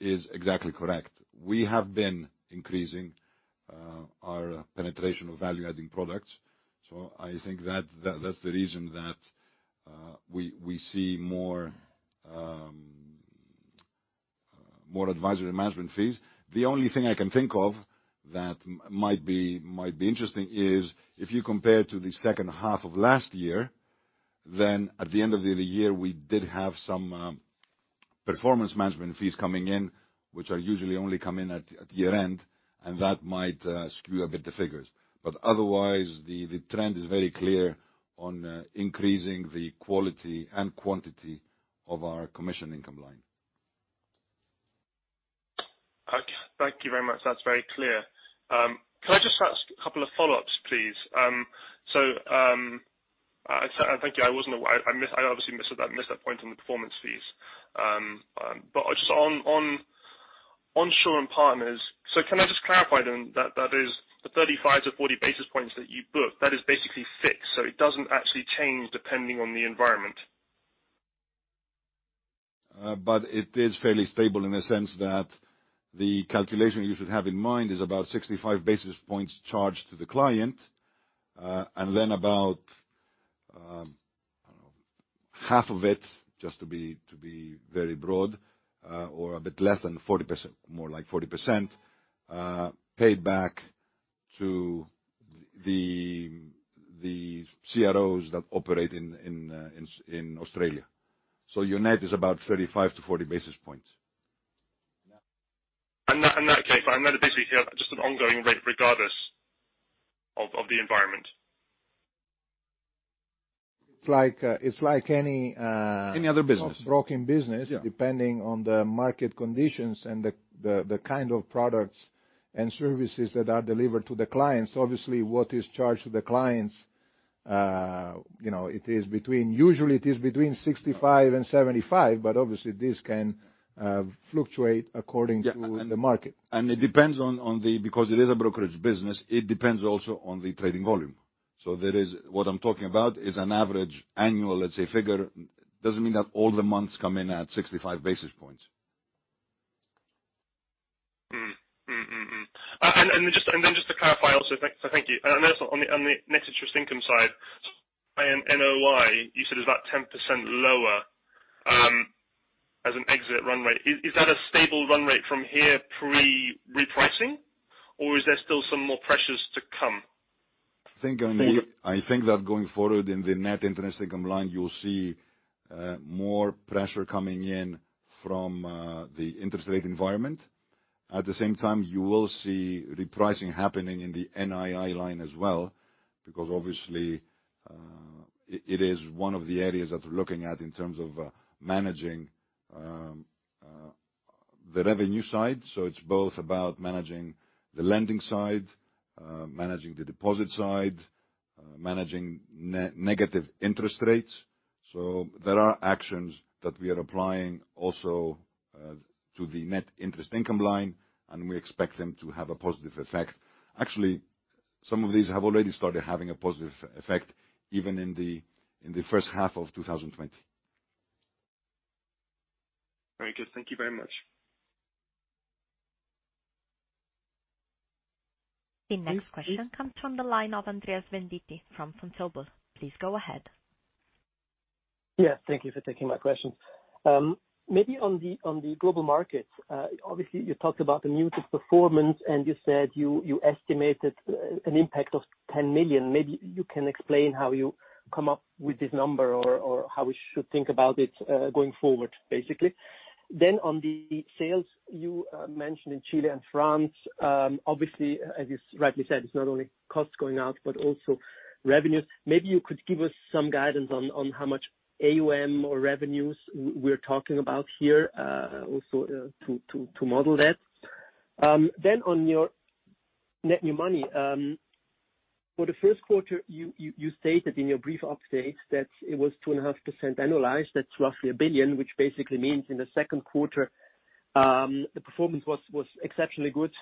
C: is exactly correct. We have been increasing our penetration of value-adding products. I think that's the reason that we see more advisory management fees. The only thing I can think of that might be interesting is if you compare to the second half of last year, then at the end of the year, we did have some performance management fees coming in, which usually only come in at year-end, and that might skew a bit the figures. Otherwise, the trend is very clear on increasing the quality and quantity of our commission income line.
E: Okay. Thank you very much. That's very clear. Can I just ask a couple of follow-ups, please? Thank you. I obviously missed that point on the performance fees. Just on Shaw & Partners, can I just clarify then that the 35-40 basis points that you book, that is basically fixed? It doesn't actually change depending on the environment.
C: It is fairly stable in the sense that the calculation you should have in mind is about 65 basis points charged to the client, and then about, I don't know, half of it, just to be very broad, or a bit less than 40%, more like 40%, paid back to the CROs that operate in Australia. Your net is about 35 to 40 basis points.
E: In that case, I know basically here just an ongoing rate, regardless of the environment.
B: It's like any-
C: Any other business?
B: brokering business.
C: Yeah
B: depending on the market conditions and the kind of products and services that are delivered to the clients. Obviously, what is charged to the clients, usually it is between 65% and 75%, but obviously this can fluctuate according to the market.
C: It depends on the, because it is a brokerage business, it depends also on the trading volume. There is, what I am talking about is an average annual, let's say, figure. It doesn't mean that all the months come in at 65 basis points.
E: Just to clarify also, thank you. Also on the net interest income side and NOI, you said is about 10% lower as an exit run rate. Is that a stable run rate from here pre-repricing, or is there still some more pressures to come?
C: I think that going forward in the net interest income line, you'll see more pressure coming in from the interest rate environment. At the same time, you will see repricing happening in the NII line as well, because obviously, it is one of the areas that we're looking at in terms of managing the revenue side. It's both about managing the lending side, managing the deposit side, managing negative interest rates. There are actions that we are applying also to the net interest income line, and we expect them to have a positive effect. Actually, some of these have already started having a positive effect, even in the first half of 2020.
E: Very good. Thank you very much.
D: The next question comes from the line of Andreas Venditti from Vontobel. Please go ahead.
F: Thank you for taking my questions. On the global markets, obviously you talked about the muted performance, and you said you estimated an impact of 10 million. You can explain how you come up with this number or how we should think about it going forward, basically. On the sales, you mentioned in Chile and France, obviously, as you rightly said, it's not only costs going out, but also revenues. You could give us some guidance on how much AUM or revenues we're talking about here, also to model that. On your net new money, for the first quarter you stated in your brief update that it was 2.5% annualized. That's roughly 1 billion, which basically means in the second quarter, the performance was exceptionally good,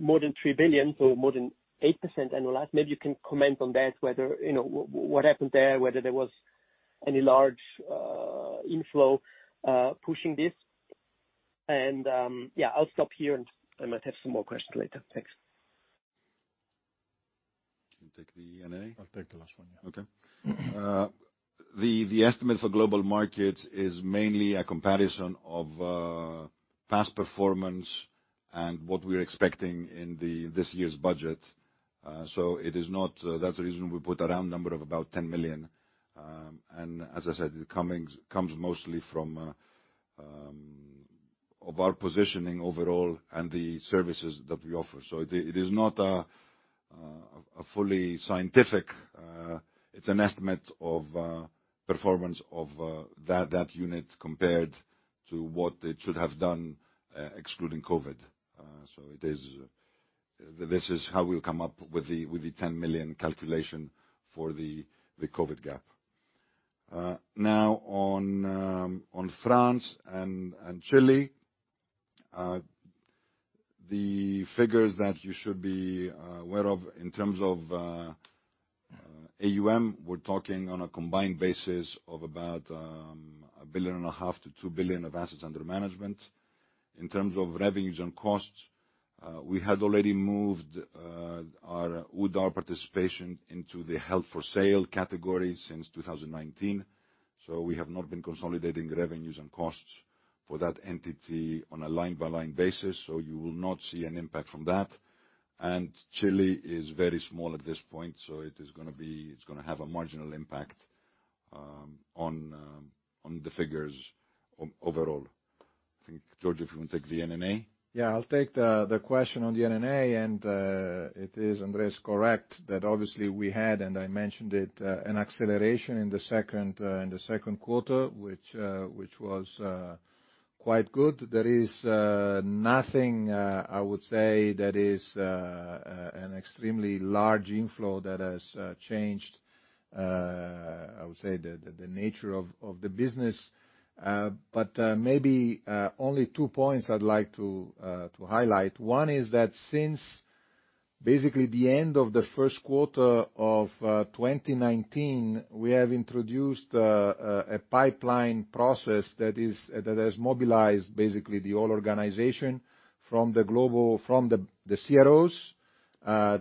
F: more than 3 billion, so more than 8% annualized. Maybe you can comment on that, what happened there, whether there was any large inflow pushing this. Yeah, I'll stop here and I might have some more questions later. Thanks.
C: You take the NNA?
B: I'll take the last one, yeah.
C: Okay. The estimate for global markets is mainly a comparison of past performance and what we're expecting in this year's budget. That's the reason we put a round number of about 10 million. As I said, it comes mostly from our positioning overall and the services that we offer. It is not a fully scientific, it's an estimate of performance of that unit compared to what it should have done, excluding COVID. This is how we'll come up with the 10 million calculation for the COVID gap. Now on France and Chile, the figures that you should be aware of in terms of AUM, we're talking on a combined basis of about 1.5 billion to 2 billion of assets under management. In terms of revenues and costs, we had already moved our Oudart participation into the held for sale category since 2019. We have not been consolidating revenues and costs for that entity on a line-by-line basis, so you will not see an impact from that. Chile is very small at this point, so it's going to have a marginal impact on the figures overall. I think, Giorgio, if you want to take the NNA.
B: Yeah, I'll take the question on the NNA. It is Andreas, correct, that obviously we had, and I mentioned it, an acceleration in the second quarter, which was quite good. There is nothing, I would say, that is an extremely large inflow that has changed, I would say, the nature of the business. Maybe only two points I'd like to highlight. One is that since basically the end of the first quarter of 2019, we have introduced a pipeline process that has mobilized basically the whole organization from the CROs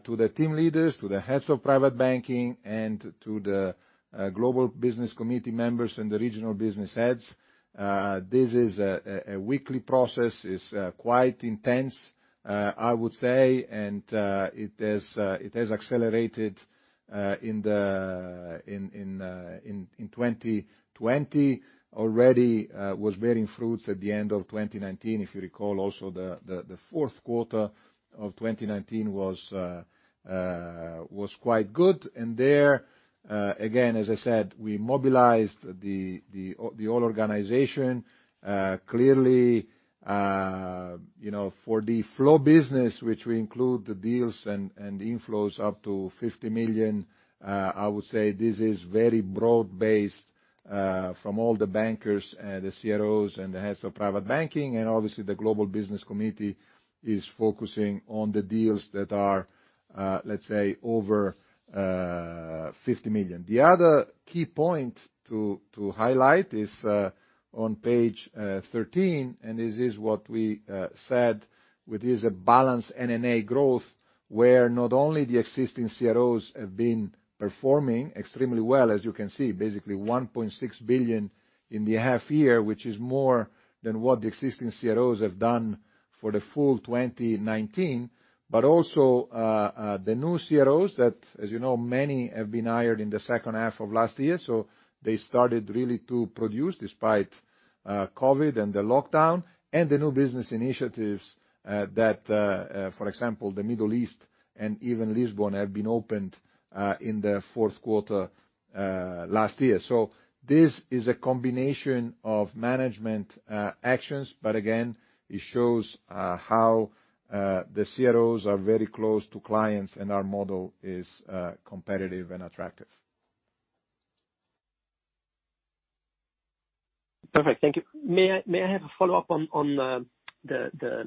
B: to the team leaders, to the heads of private banking, and to the global business committee members and the regional business heads. This is a weekly process, it's quite intense, I would say. It has accelerated in 2020. Already was bearing fruits at the end of 2019. If you recall, the fourth quarter of 2019 was quite good. There, again, as I said, we mobilized the whole organization. Clearly, for the flow business, which we include the deals and inflows up to 50 million, I would say this is very broad-based from all the bankers, the CROs, and the heads of private banking. Obviously the global business committee is focusing on the deals that are, let's say, over 50 million. The other key point to highlight is on page 13. This is what we said, it is a balanced NNA growth, where not only the existing CROs have been performing extremely well. As you can see, basically 1.6 billion in the half year, which is more than what the existing CROs have done for the full 2019. Also, the new CROs that, as you know, many have been hired in the second half of last year. They started really to produce despite COVID and the lockdown, and the new business initiatives that, for example, the Middle East and even Lisbon have been opened in the fourth quarter last year. This is a combination of management actions, but again, it shows how the CROs are very close to clients and our model is competitive and attractive.
F: Perfect. Thank you. May I have a follow-up on the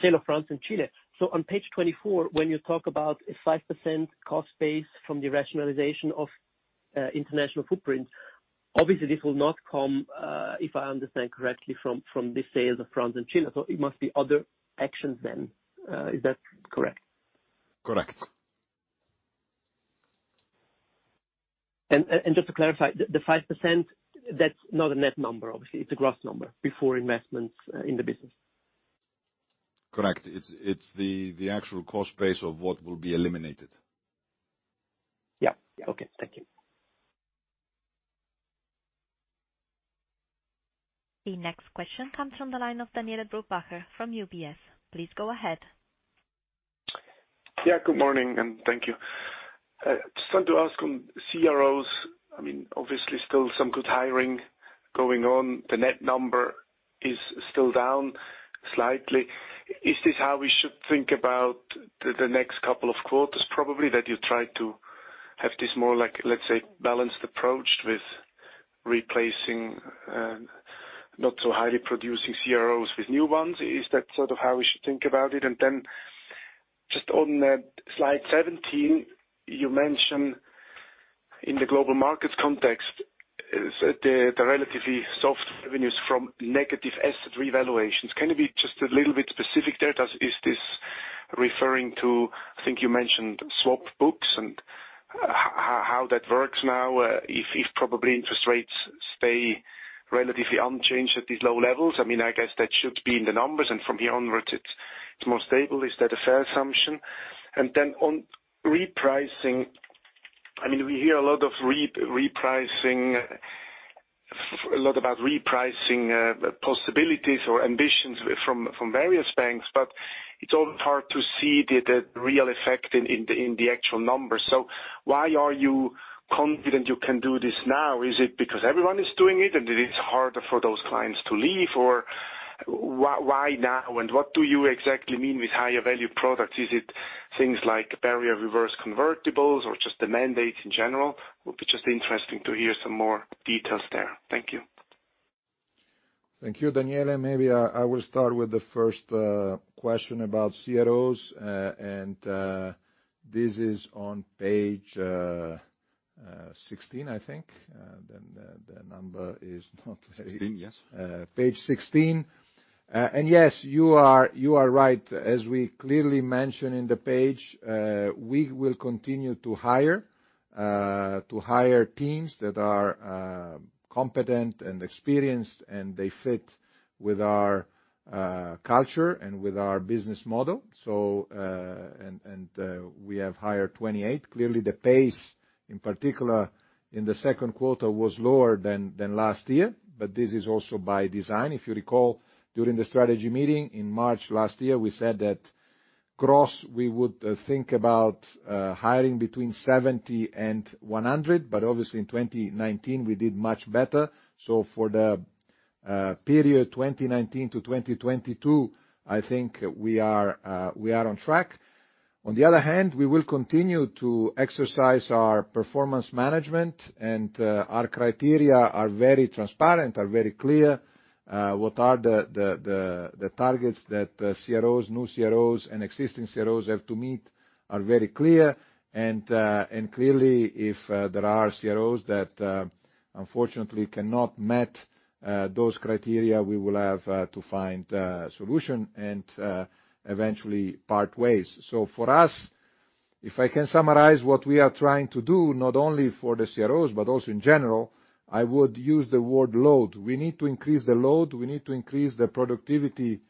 F: sale of France and Chile? On page 24, when you talk about a 5% cost base from the rationalization of international footprint, obviously this will not come, if I understand correctly, from the sales of France and Chile. It must be other actions then. Is that correct?
B: Correct.
F: Just to clarify, the 5%, that's not a net number, obviously, it's a gross number, before investments in the business.
B: Correct. It's the actual cost base of what will be eliminated.
F: Yeah. Okay. Thank you.
D: The next question comes from the line of Daniele Brupbacher from UBS. Please go ahead.
G: Good morning, thank you. Just want to ask on CROs, obviously still some good hiring going on. The net number is still down slightly. Is this how we should think about the next couple of quarters, probably, that you try to have this more like, let's say, balanced approach with replacing not so highly producing CROs with new ones? Is that sort of how we should think about it? Just on slide 17, you mentioned in the global markets context, the relatively soft revenues from negative asset revaluations. Can you be just a little bit specific there? Is this referring to, I think you mentioned swap books, how that works now, if probably interest rates stay relatively unchanged at these low levels? I guess that should be in the numbers, from here onwards it's more stable. Is that a fair assumption? On repricing, we hear a lot about repricing possibilities or ambitions from various banks, but it's always hard to see the real effect in the actual numbers. Why are you confident you can do this now? Is it because everyone is doing it and it is harder for those clients to leave? Why now? What do you exactly mean with higher value products? Is it things like barrier reverse convertibles or just the mandates in general? Would be just interesting to hear some more details there. Thank you.
B: Thank you, Daniele. Maybe I will start with the first question about CROs. This is on page 16, I think. The number is not clear.
C: 16, yes.
B: Page 16. Yes, you are right. As we clearly mention in the page, we will continue to hire teams that are competent and experienced, and they fit with our culture and with our business model. We have hired 28. Clearly, the pace, in particular in the second quarter, was lower than last year, but this is also by design. If you recall, during the strategy meeting in March last year, we said that gross, we would think about hiring between 70 and 100, but obviously in 2019 we did much better. For the period 2019 to 2022, I think we are on track. On the other hand, we will continue to exercise our performance management and our criteria are very transparent, are very clear. What are the targets that CROs, new CROs, and existing CROs have to meet are very clear. Clearly, if there are CROs that unfortunately cannot meet those criteria, we will have to find a solution and eventually part ways. For us, if I can summarize what we are trying to do, not only for the CROs, but also in general, I would use the word load. We need to increase the load. We need to increase the productivity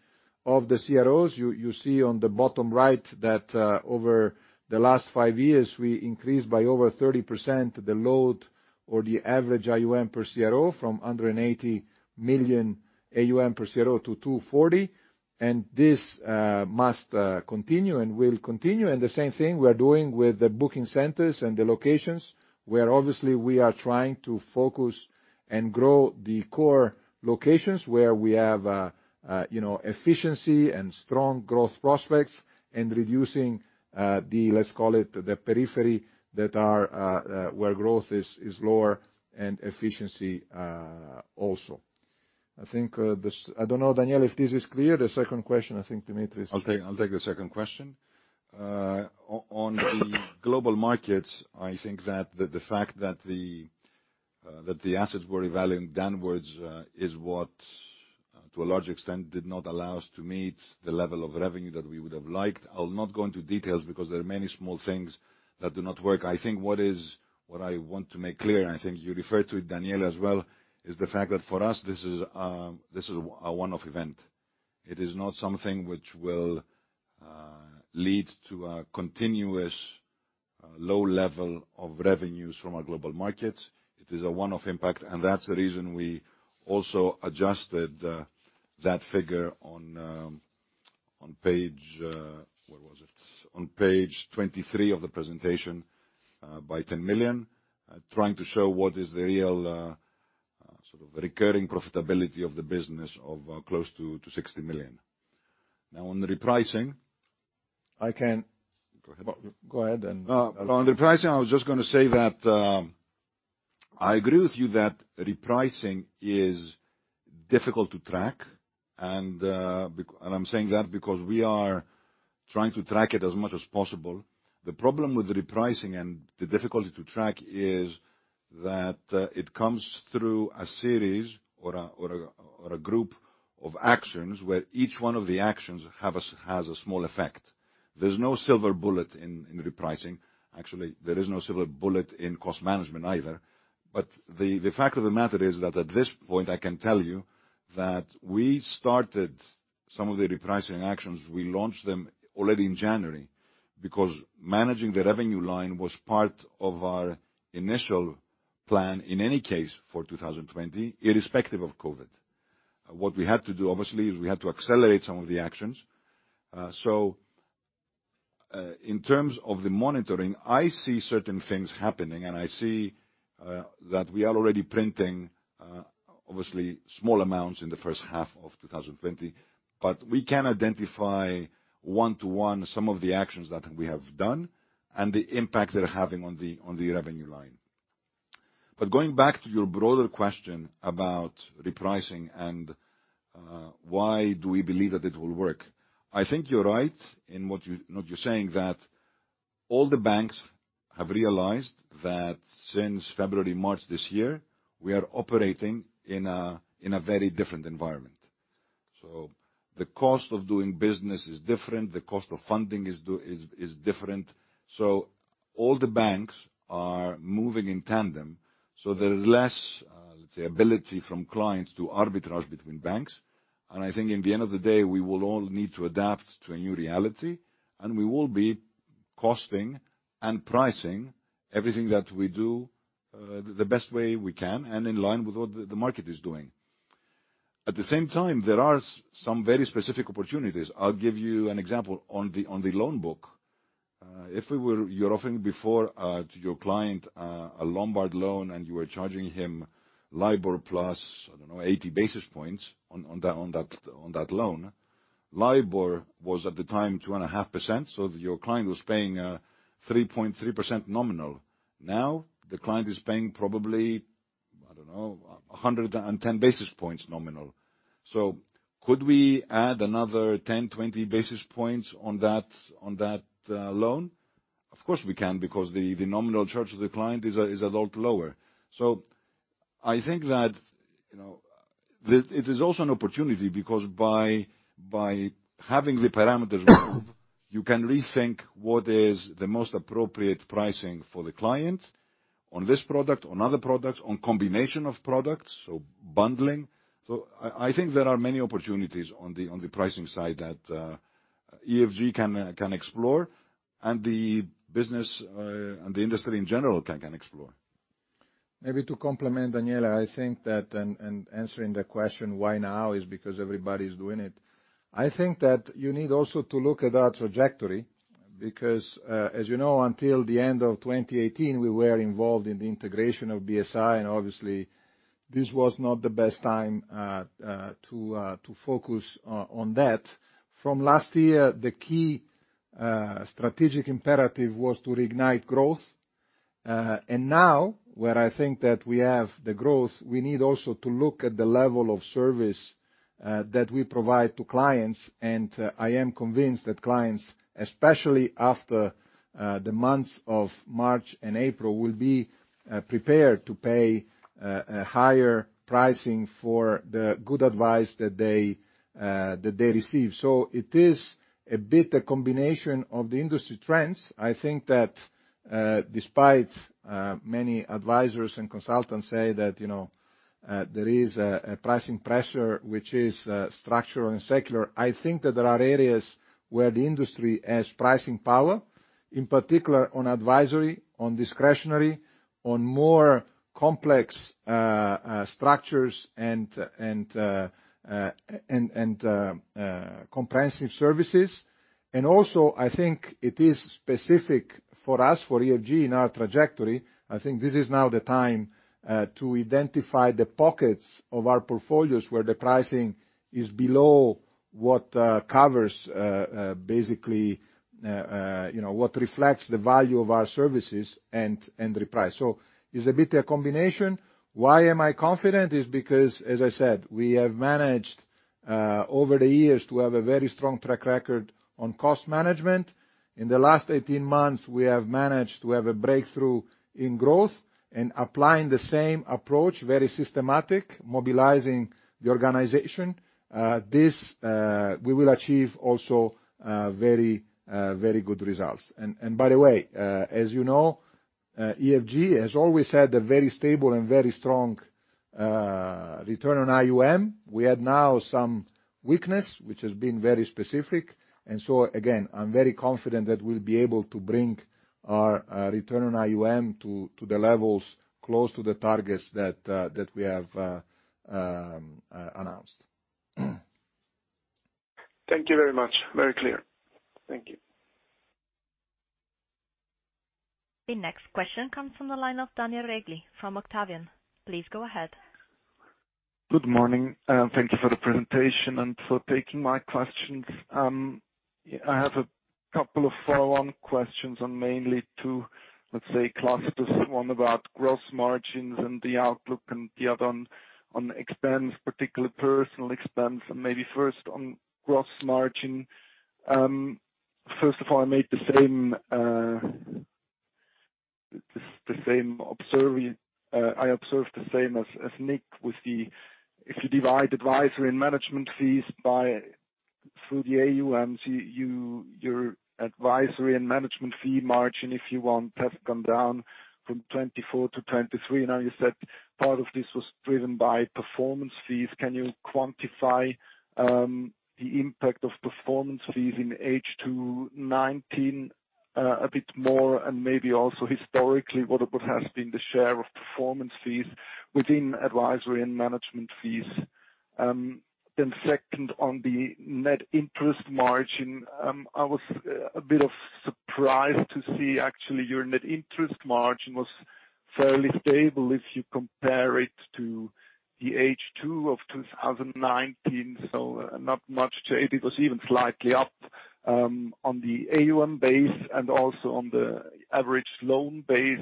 B: of the CROs. You see on the bottom right that over the last five years, we increased by over 30% the load or the average AUM per CRO from 180 million AUM per CRO to 240 million. This must continue and will continue. The same thing we are doing with the booking centers and the locations, where obviously we are trying to focus and grow the core locations where we have efficiency and strong growth prospects, and reducing the, let's call it, the periphery, where growth is lower and efficiency also. I don't know, Daniele, if this is clear. The second question, I think.
C: I'll take the second question. On the global markets, I think that the fact that the assets were revaluing downwards is what, to a large extent, did not allow us to meet the level of revenue that we would have liked. I'll not go into details because there are many small things that do not work. I think what I want to make clear, and I think you referred to it, Daniele, as well, is the fact that for us, this is a one-off event. It is not something which will lead to a continuous low level of revenues from our global markets. It is a one-off impact, and that's the reason we also adjusted that figure on page, where was it? On page 23 of the presentation by 10 million, trying to show what is the real sort of recurring profitability of the business of close to 60 million. Now, on the repricing.
B: I can go ahead.
C: On the repricing, I was just going to say that I agree with you that repricing is difficult to track. I'm saying that because we are trying to track it as much as possible. The problem with the repricing and the difficulty to track is that it comes through a series or a group of actions where each one of the actions has a small effect. There's no silver bullet in repricing. Actually, there is no silver bullet in cost management either. The fact of the matter is that at this point, I can tell you that we started some of the repricing actions. We launched them already in January, because managing the revenue line was part of our initial plan, in any case, for 2020, irrespective of COVID. What we had to do, obviously, is we had to accelerate some of the actions. In terms of the monitoring, I see certain things happening, and I see that we are already printing, obviously, small amounts in the first half of 2020. We can identify one to one some of the actions that we have done and the impact they're having on the revenue line. Going back to your broader question about repricing and why do we believe that it will work, I think you're right in what you're saying that all the banks have realized that since February, March this year, we are operating in a very different environment. The cost of doing business is different, the cost of funding is different. All the banks are moving in tandem. There is less, let's say, ability from clients to arbitrage between banks. I think in the end of the day, we will all need to adapt to a new reality, and we will be costing and pricing everything that we do the best way we can and in line with what the market is doing. At the same time, there are some very specific opportunities. I will give you an example. On the loan book, if you are offering before to your client a Lombard loan and you are charging him LIBOR plus, I don't know, 80 basis points on that loan. LIBOR was at the time 2.5%, so your client was paying 3.3% nominal. Now the client is paying probably, I don't know, 110 basis points nominal. Could we add another 10, 20 basis points on that loan? Of course, we can, because the nominal charge of the client is a lot lower. I think that it is also an opportunity because by having the parameters move, you can rethink what is the most appropriate pricing for the client on this product, on other products, on combination of products, so bundling. I think there are many opportunities on the pricing side that EFG can explore, and the industry, in general, can explore.
B: Maybe to complement Daniele, I think that, and answering the question, why now is because everybody's doing it. I think that you need also to look at our trajectory, because as you know, until the end of 2018, we were involved in the integration of BSI, and obviously, this was not the best time to focus on that. From last year, the key strategic imperative was to reignite growth. Now, where I think that we have the growth, we need also to look at the level of service that we provide to clients, and I am convinced that clients, especially after the months of March and April, will be prepared to pay higher pricing for the good advice that they receive. It is a bit a combination of the industry trends. I think that despite many advisors and consultants say that there is a pricing pressure which is structural and secular, I think that there are areas where the industry has pricing power, in particular on advisory, on discretionary, on more complex structures and comprehensive services. Also I think it is specific for us, for EFG in our trajectory, I think this is now the time to identify the pockets of our portfolios where the pricing is below what covers basically what reflects the value of our services and reprice. It's a bit a combination. Why am I confident? Is because, as I said, we have managed over the years to have a very strong track record on cost management. In the last 18 months, we have managed to have a breakthrough in growth and applying the same approach, very systematic, mobilizing the organization. This, we will achieve also very good results. By the way, as you know, EFG has always had a very stable and very strong return on AUM. We had now some weakness, which has been very specific. Again, I'm very confident that we'll be able to bring our return on AUM to the levels close to the targets that we have announced.
G: Thank you very much. Very clear. Thank you.
D: The next question comes from the line of Daniel Regli from Octavian. Please go ahead.
H: Good morning. Thank you for the presentation and for taking my questions. I have a couple of follow-on questions on mainly two, let's say, clusters. One about gross margins and the outlook, and the other on expense, particularly personnel expense. Maybe first on gross margin. First of all, I observed the same as Nick, if you divide advisory and management fees through the AUMs, your advisory and management fee margin, if you want, has come down from 24% to 23%. Now you said part of this was driven by performance fees. Can you quantify the impact of performance fees in H2 2019 a bit more? Maybe also historically, what has been the share of performance fees within advisory and management fees? Second, on the net interest margin, I was a bit of surprised to see actually your net interest margin was fairly stable if you compare it to the H2 of 2019. Not much to it. It was even slightly up on the AUM base and also on the average loan base.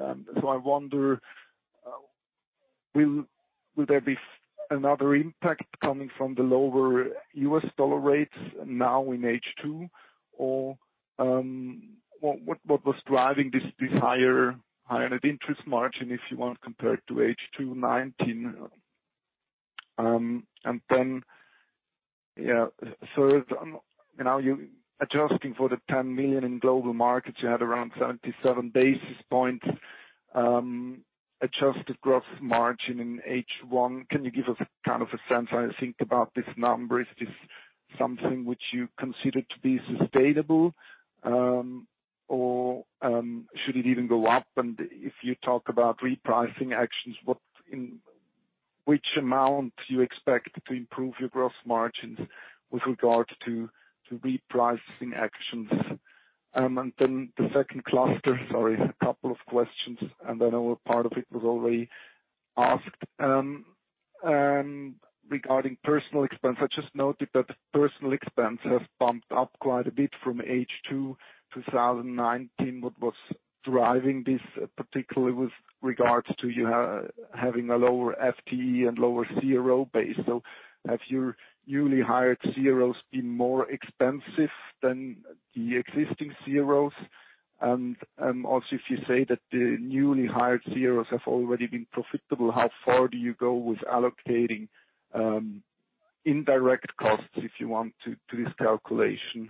H: I wonder, will there be another impact coming from the lower U.S. dollar rates now in H2, or what was driving this higher net interest margin, if you want, compared to H2 2019? Third, now you're adjusting for the 10 million in global markets, you had around 77 basis points adjusted gross margin in H1. Can you give us a sense, I think, about this number? Is this something which you consider to be sustainable? Should it even go up? If you talk about repricing actions, which amount you expect to improve your gross margins with regard to repricing actions? The second cluster, sorry, a couple of questions, I know a part of it was already asked, regarding personal expense. I just noted that personal expense has bumped up quite a bit from H2 2019. What was driving this, particularly with regards to you having a lower FTE and lower CRO base? Have your newly hired CROs been more expensive than the existing CROs? Also, if you say that the newly hired CROs have already been profitable, how far do you go with allocating indirect costs, if you want, to this calculation?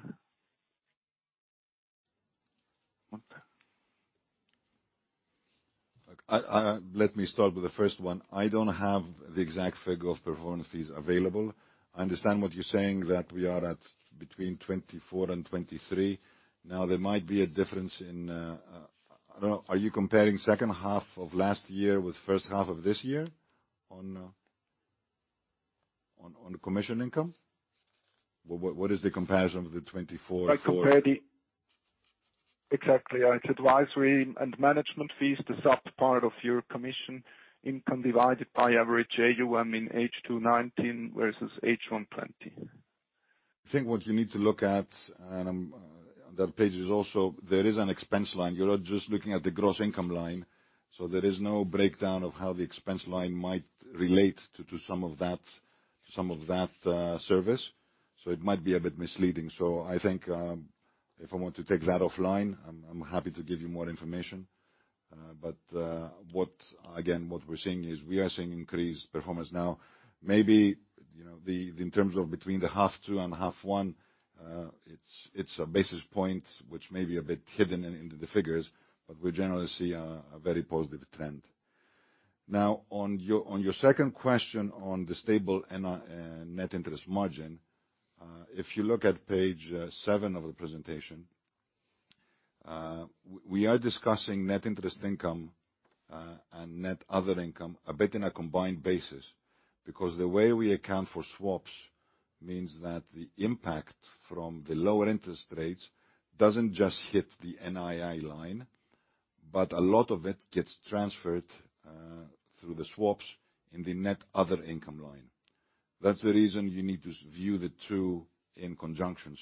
B: Let me start with the first one. I don't have the exact figure of performance fees available. I understand what you're saying, that we are at between 24 and 23. There might be a difference in-- Are you comparing second half of last year with first half of this year on commission income? What is the comparison of the 24 for-?
H: Exactly. It's advisory and management fees, the soft part of your commission income divided by average AUM in H2 2019 versus H1 2020.
C: I think what you need to look at, and on that page is also, there is an expense line. You're not just looking at the gross income line, so there is no breakdown of how the expense line might relate to some of that service. It might be a bit misleading. I think, if I want to take that offline, I'm happy to give you more information. Again, what we're seeing is we are seeing increased performance now. Maybe, in terms of between the half two and half one, it's a basis point which may be a bit hidden into the figures, but we generally see a very positive trend. On your second question on the stable net interest margin, if you look at page seven of the presentation, we are discussing net interest income, and net other income, a bit in a combined basis. The way we account for swaps means that the impact from the lower interest rates doesn't just hit the NII line, but a lot of it gets transferred through the swaps in the net other income line. That's the reason you need to view the two in conjunction.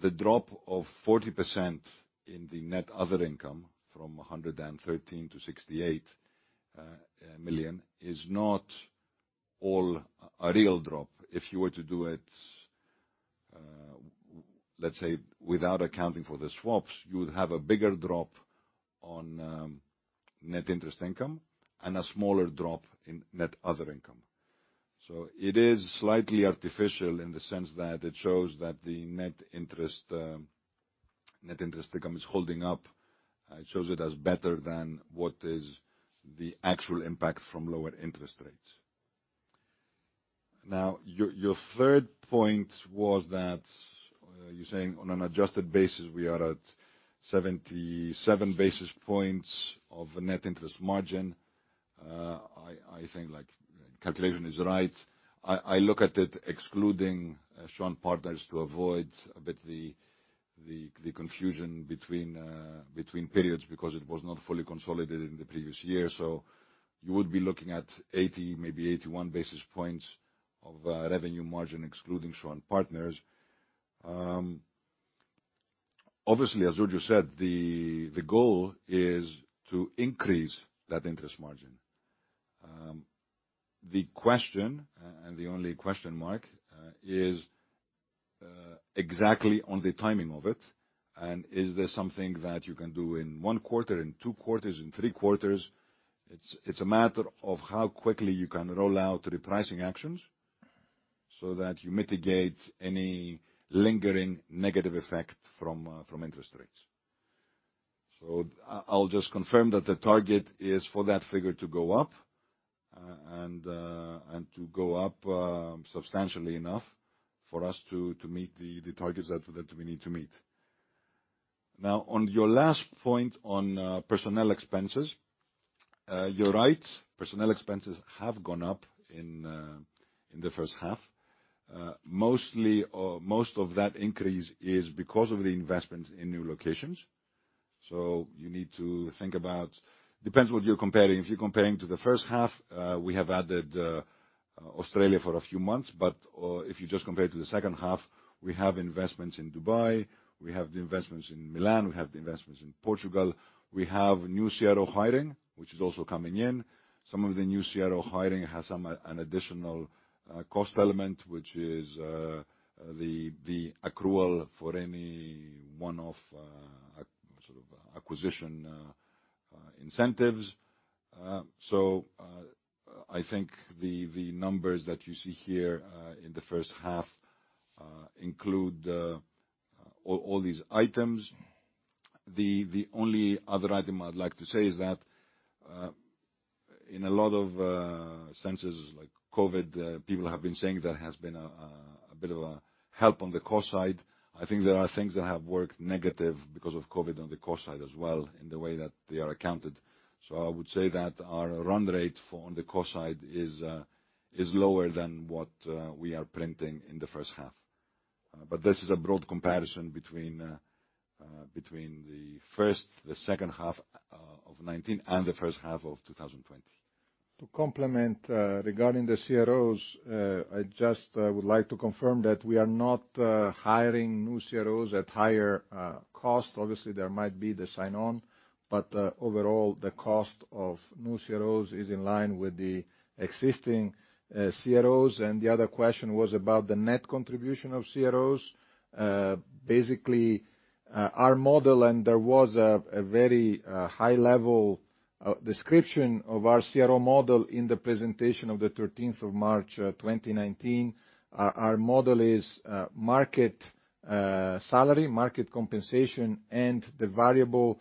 C: The drop of 40% in the net other income from 113 million to 68 million is not all a real drop. If you were to do it, let's say, without accounting for the swaps, you would have a bigger drop on net interest income and a smaller drop in net other income. It is slightly artificial in the sense that it shows that the net interest income is holding up. It shows it as better than what is the actual impact from lower interest rates. Your third point was that you're saying on an adjusted basis, we are at 77 basis points of net interest margin. I think the calculation is right. I look at it excluding Shaw & Partners to avoid a bit the confusion between periods because it was not fully consolidated in the previous year. You would be looking at 80, maybe 81 basis points of revenue margin excluding Shaw & Partners. As Giorgio said, the goal is to increase that interest margin. The question, and the only question mark, is exactly on the timing of it, and is there something that you can do in one quarter, in two quarters, in three quarters? It's a matter of how quickly you can roll out repricing actions so that you mitigate any lingering negative effect from interest rates. I'll just confirm that the target is for that figure to go up, and to go up substantially enough for us to meet the targets that we need to meet. On your last point on personnel expenses, you're right. Personnel expenses have gone up in the first half. Most of that increase is because of the investments in new locations. You need to think about, depends what you're comparing. If you're comparing to the first half, we have added Australia for a few months. If you just compare to the second half, we have investments in Dubai, we have the investments in Milan, we have the investments in Portugal. We have new CRO hiring, which is also coming in. Some of the new CRO hiring has an additional cost element, which is the accrual for any one-off acquisition incentives. I think the numbers that you see here in the first half include all these items. The only other item I'd like to say is that in a lot of senses, like COVID, people have been saying there has been a bit of a help on the cost side. I think there are things that have worked negative because of COVID on the cost side as well in the way that they are accounted. I would say that our run rate on the cost side is lower than what we are printing in the first half. This is a broad comparison between the first, the second half of 2019, and the first half of 2020.
B: To complement, regarding the CROs, I just would like to confirm that we are not hiring new CROs at higher cost. Obviously, there might be the sign-on, overall, the cost of new CROs is in line with the existing CROs. The other question was about the net contribution of CROs. Basically, our model, there was a very high-level description of our CRO model in the presentation of the 13th of March 2019. Our model is market salary, market compensation, and the variable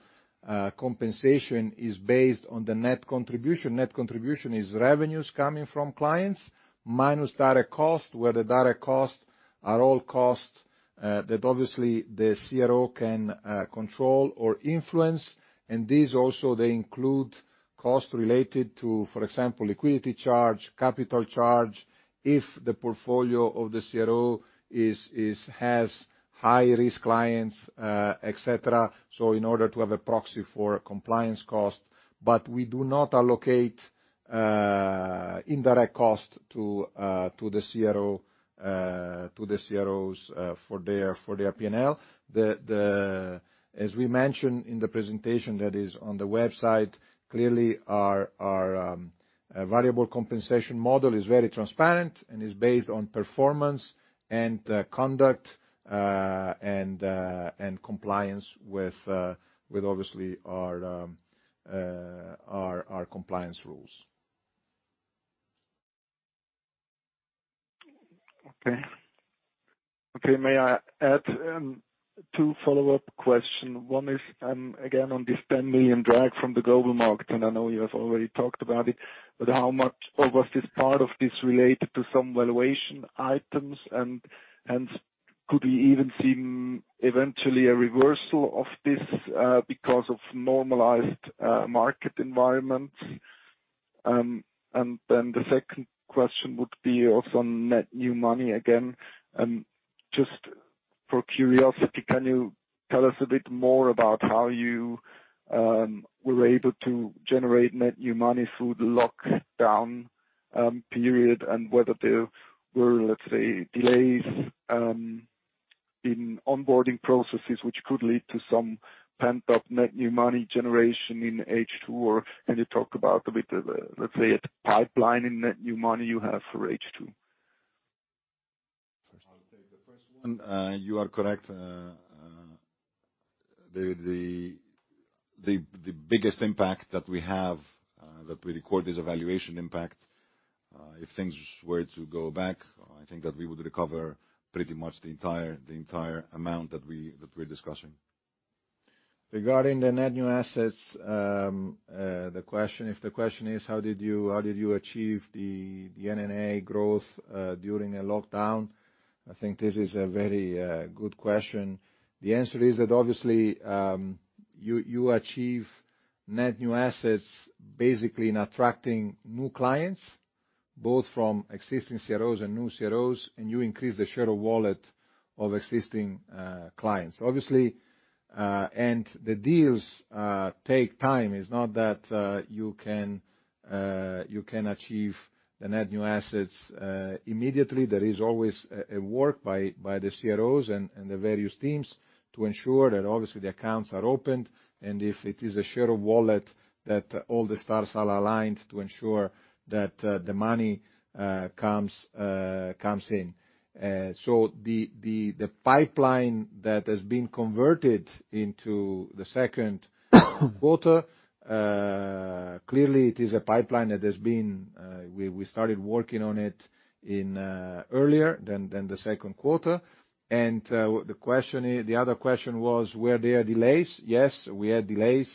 B: compensation is based on the net contribution. Net contribution is revenues coming from clients minus direct cost, where the direct cost are all costs that obviously the CRO can control or influence. These also they include costs related to, for example, liquidity charge, capital charge, if the portfolio of the CRO has high-risk clients, et cetera, so in order to have a proxy for compliance cost. We do not allocate indirect cost to the CROs for their P&L. As we mentioned in the presentation that is on the website, clearly our variable compensation model is very transparent and is based on performance and conduct, and compliance with obviously our compliance rules.
H: Okay. May I add two follow-up question? One is, again, on this 10 million drag from the global market, and I know you have already talked about it, but how much of this part of this related to some valuation items, and could we even see eventually a reversal of this because of normalized market environment? The second question would be also on net new money again. Just for curiosity, can you tell us a bit more about how you were able to generate net new money through the lockdown period, and whether there were, let's say, delays in onboarding processes, which could lead to some pent-up net new money generation in H2? Can you talk about a bit of, let's say, a pipeline in net new money you have for H2?
B: I'll take the first one. You are correct. The biggest impact that we have, that we record is a valuation impact. If things were to go back, I think that we would recover pretty much the entire amount that we're discussing. Regarding the net new assets, if the question is how did you achieve the NNA growth, during the lockdown, I think this is a very good question. The answer is that obviously, you achieve net new assets basically in attracting new clients, both from existing CROs and new CROs, and you increase the share of wallet of existing clients, obviously. The deals take time. It's not that you can achieve the net new assets immediately. There is always a work by the CROs and the various teams to ensure that obviously the accounts are opened, and if it is a share of wallet, that all the stars are aligned to ensure that the money comes in. The pipeline that has been converted into the second quarter, clearly it is a pipeline that we started working on it earlier than the second quarter. The other question was, were there delays? Yes, we had delays.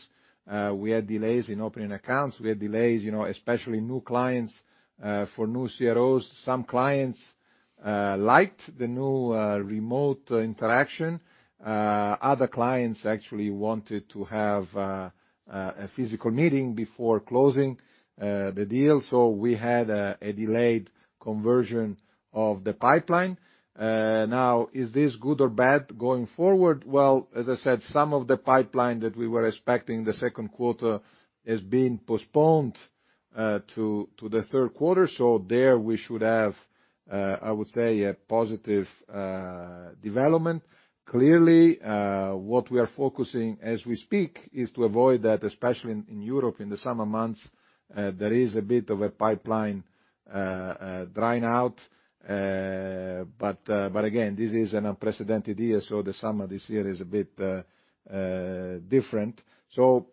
B: We had delays in opening accounts. We had delays, especially new clients for new CROs. Some clients liked the new remote interaction. Other clients actually wanted to have a physical meeting before closing the deal. We had a delayed conversion of the pipeline. Now, is this good or bad going forward? Well, as I said, some of the pipeline that we were expecting the second quarter has been postponed to the third quarter. There we should have, I would say, a positive development. Clearly, what we are focusing as we speak is to avoid that, especially in Europe in the summer months, there is a bit of a pipeline drying out. Again, this is an unprecedented year, so the summer this year is a bit different.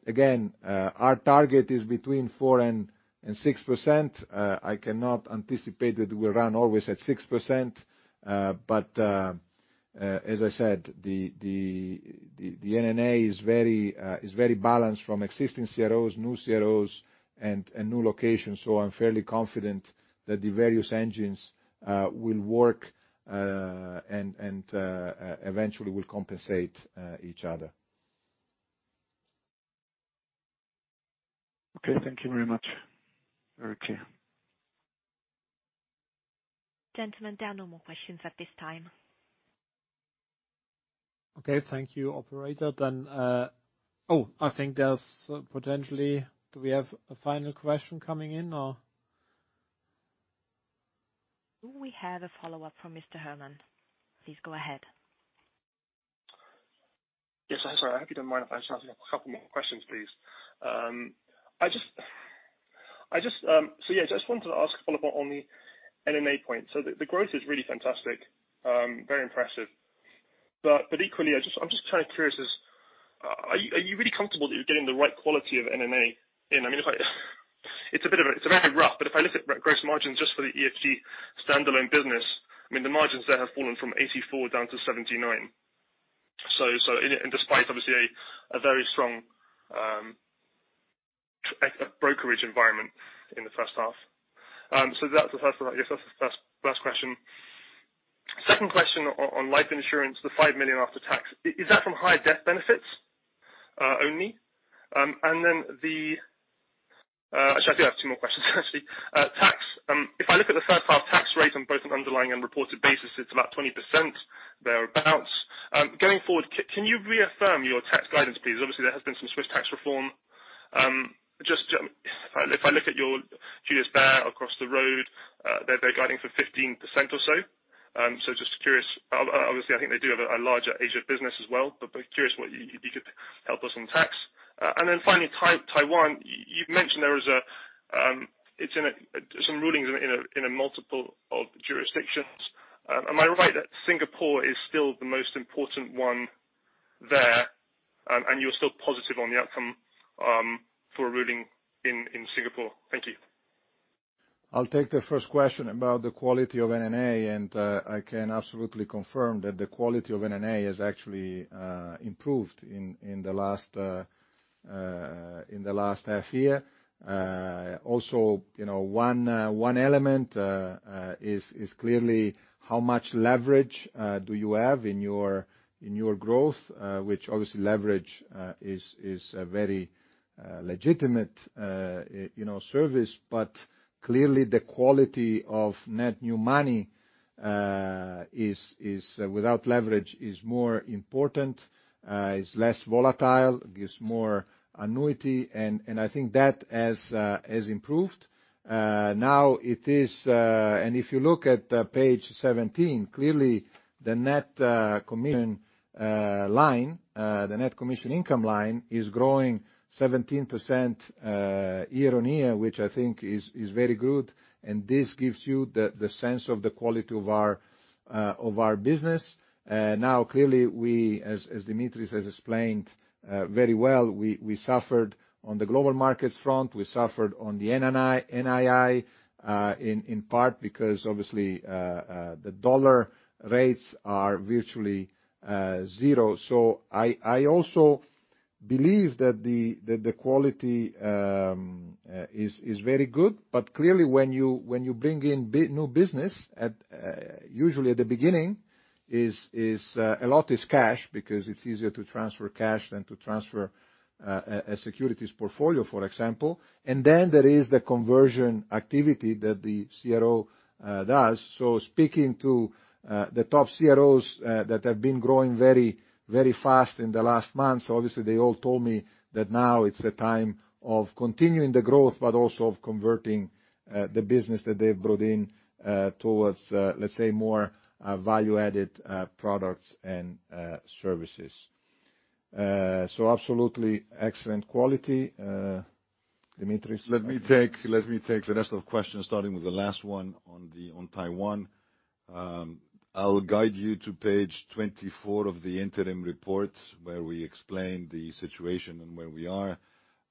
B: Again, our target is between 4%-6%. I cannot anticipate that we'll run always at 6%. As I said, the NNA is very balanced from existing CROs, new CROs, and new locations. I'm fairly confident that the various engines will work, and eventually will compensate each other.
H: Okay. Thank you very much. Very clear.
A: Gentlemen, there are no more questions at this time. Okay. Thank you, operator. Do we have a final question coming in, or? We have a follow-up from Mr. Herman. Please go ahead.
E: Yes, I'm sorry. I hope you don't mind if I just ask a couple more questions, please. Yeah, I just wanted to ask a follow-up on the NNA point. The growth is really fantastic. Very impressive. Equally, I'm just kind of curious, are you really comfortable that you're getting the right quality of NNA in? I mean, it's a bit of a rough, but if I look at gross margins just for the EFG standalone business, I mean, the margins there have fallen from 84 down to 79. Despite obviously a very strong brokerage environment in the first half. That's the first question. Second question on life insurance, the 5 million after tax. Is that from high death benefits only? Actually, I do have two more questions, actually. Tax. If I look at the first half tax rate on both an underlying and reported basis, it's about 20%, thereabout. Going forward, can you reaffirm your tax guidance, please? Obviously, there has been some Swiss tax reform. If I look at your peers there across the road, they're guiding for 15% or so. Just curious, obviously, I think they do have a larger Asia business as well, but curious what you could help us on tax. Finally, Taiwan, you've mentioned there's some rulings in a multiple of jurisdictions. Am I right that Singapore is still the most important one there, and you're still positive on the outcome, for a ruling in Singapore? Thank you.
B: I'll take the first question about the quality of NNA, and I can absolutely confirm that the quality of NNA has actually improved in the last half year. Also, one element is clearly how much leverage do you have in your growth, which obviously leverage is a very legitimate service, but clearly the quality of net new money without leverage is more important, is less volatile, gives more annuity, and I think that has improved. Now, if you look at page 17, clearly the net commission income line is growing 17% year-on-year, which I think is very good, and this gives you the sense of the quality of our business. Now, clearly, as Dimitris has explained very well, we suffered on the global markets front, we suffered on the NII, in part because obviously, the dollar rates are virtually zero. I also believe that the quality is very good. Clearly when you bring in new business, usually at the beginning, a lot is cash because it's easier to transfer cash than to transfer a securities portfolio, for example. Then there is the conversion activity that the CRO does. Speaking to the top CROs that have been growing very fast in the last months, obviously, they all told me that now it's the time of continuing the growth, but also of converting the business that they've brought in, towards, let's say, more value-added products and services. Absolutely excellent quality. Dimitris?
C: Let me take the rest of the questions, starting with the last one on Taiwan. I'll guide you to page 24 of the interim report, where we explain the situation and where we are.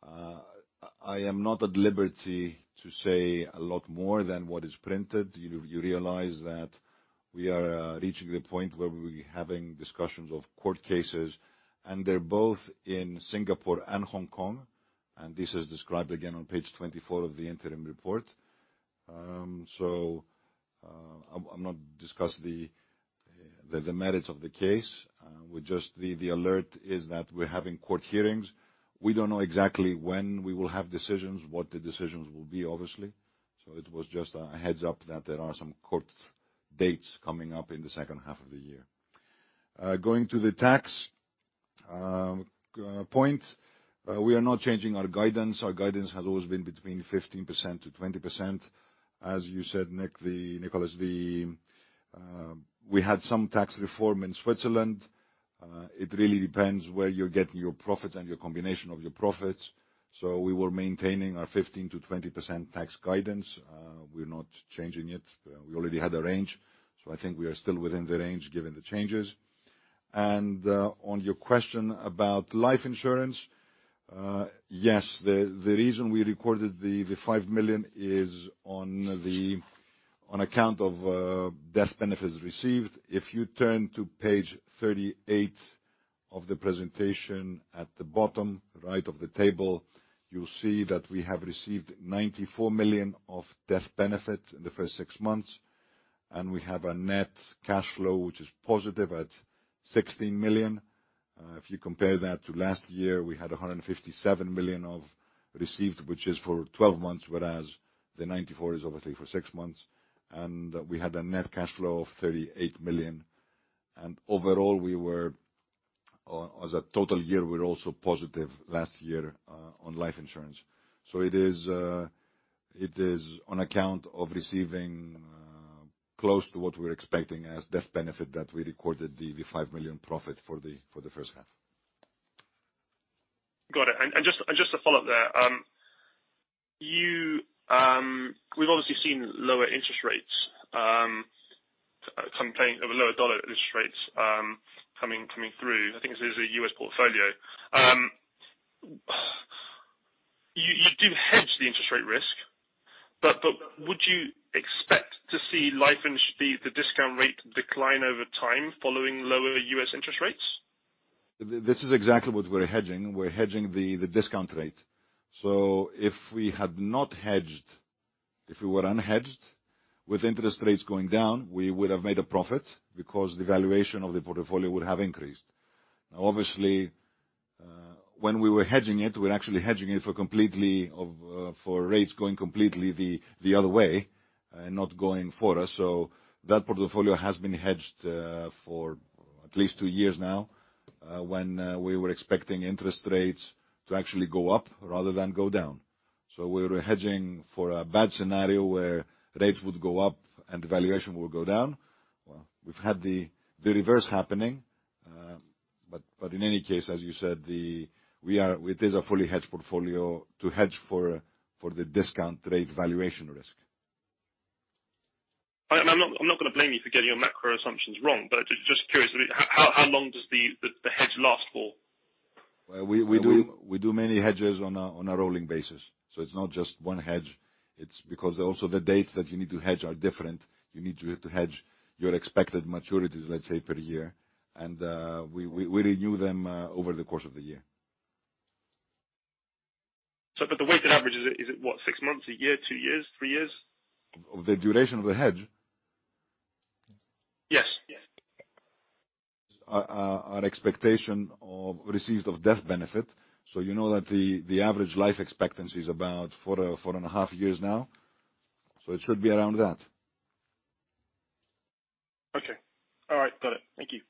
C: I am not at liberty to say a lot more than what is printed. You realize that we are reaching the point where we'll be having discussions of court cases, and they're both in Singapore and Hong Kong, and this is described again on page 24 of the interim report. I'll not discuss the merits of the case. Just the alert is that we're having court hearings. We don't know exactly when we will have decisions, what the decisions will be, obviously. It was just a heads-up that there are some court dates coming up in the second half of the year. Going to the tax point, we are not changing our guidance. Our guidance has always been between 15%-20%. As you said Nicholas, we had some tax reform in Switzerland. It really depends where you're getting your profits and your combination of your profits. We were maintaining our 15%-20% tax guidance. We're not changing it. We already had a range, so I think we are still within the range given the changes. On your question about life insurance, yes, the reason we recorded the 5 million is on account of death benefits received. If you turn to page 38 of the presentation at the bottom right of the table, you'll see that we have received 94 million of death benefits in the first six months, and we have a net cash flow, which is positive at 16 million. If you compare that to last year, we had 157 million of received, which is for 12 months, whereas the 94 is obviously for six months, and we had a net cash flow of 38 million. Overall, as a total year, we're also positive last year on life insurance. It is on account of receiving close to what we were expecting as death benefit that we recorded the 5 million profit for the first half.
E: Got it. Just to follow up there, we've obviously seen lower dollar interest rates coming through. I think this is a U.S. portfolio. You do hedge the interest rate risk, but would you expect to see the discount rate decline over time following lower U.S. interest rates?
C: This is exactly what we're hedging. We're hedging the discount rate. If we had not hedged, if we were unhedged with interest rates going down, we would have made a profit because the valuation of the portfolio would have increased. Now, obviously, when we were hedging it, we're actually hedging it for rates going completely the other way and not going for us. That portfolio has been hedged for at least two years now, when we were expecting interest rates to actually go up rather than go down. We were hedging for a bad scenario where rates would go up and valuation would go down. Well, we've had the reverse happening. In any case, as you said, it is a fully hedged portfolio to hedge for the discount rate valuation risk.
E: I'm not going to blame you for getting your macro assumptions wrong, but just curious, how long does the hedge last for?
C: Well, we do many hedges on a rolling basis. It's not just one hedge. It's because also the dates that you need to hedge are different. You need to hedge your expected maturities, let's say, per year. We renew them over the course of the year.
E: The weighted average, is it what, six months, a year, two years, three years?
C: The duration of the hedge?
E: Yes.
C: Our expectation of receipts of death benefit. You know that the average life expectancy is about four and a half years now. It should be around that.
E: Okay. All right, got it. Thank you.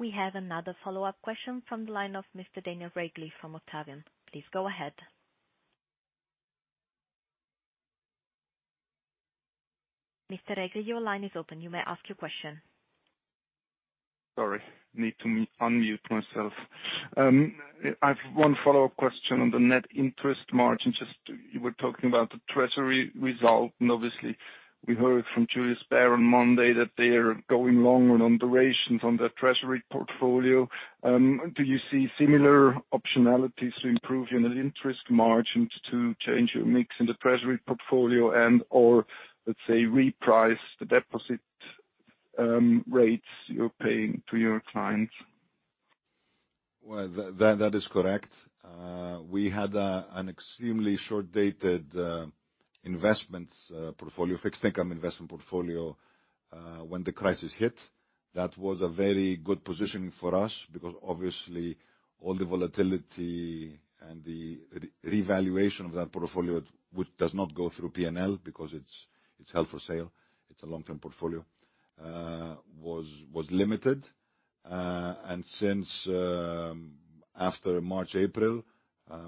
D: We have another follow-up question from the line of Mr. Daniel Regli from Octavian. Please go ahead. Mr. Regli, your line is open. You may ask your question.
H: Sorry, need to unmute myself. I have one follow-up question on the net interest margin. Just you were talking about the treasury result, and obviously we heard from Julius Baer on Monday that they are going long on durations on their treasury portfolio. Do you see similar optionalities to improve your net interest margin to change your mix in the treasury portfolio and/or, let's say, reprice the deposit rates you're paying to your clients?
C: Well, that is correct. We had an extremely short-dated investments portfolio, fixed income investment portfolio, when the crisis hit. That was a very good positioning for us because obviously all the volatility and the revaluation of that portfolio, which does not go through P&L because it's held for sale, it's a long-term portfolio, was limited. Since after March, April,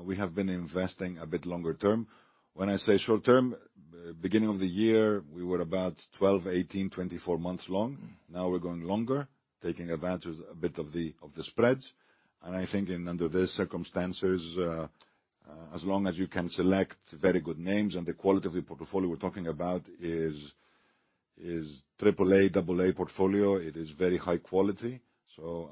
C: we have been investing a bit longer term. When I say short term, beginning of the year, we were about 12, 18, 24 months long. Now we're going longer, taking advantage a bit of the spreads. I think under these circumstances, as long as you can select very good names, the quality of the portfolio we're talking about is triple-A, double-A portfolio. It is very high quality.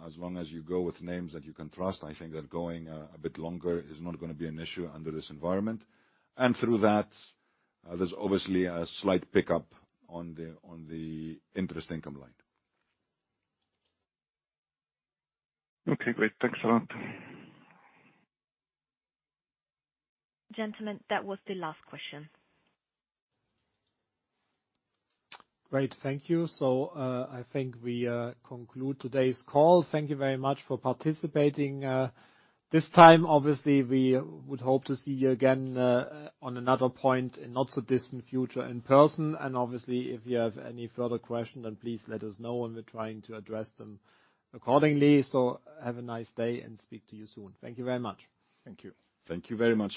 C: As long as you go with names that you can trust, I think that going a bit longer is not going to be an issue under this environment. Through that, there is obviously a slight pickup on the interest income line.
H: Okay, great. Thanks a lot.
D: Gentlemen, that was the last question.
A: I think we conclude today's call. Thank you very much for participating this time. Obviously, we would hope to see you again on another point in not so distant future in person. Obviously, if you have any further question, please let us know and we're trying to address them accordingly. Have a nice day and speak to you soon. Thank you very much.
E: Thank you.
C: Thank you very much.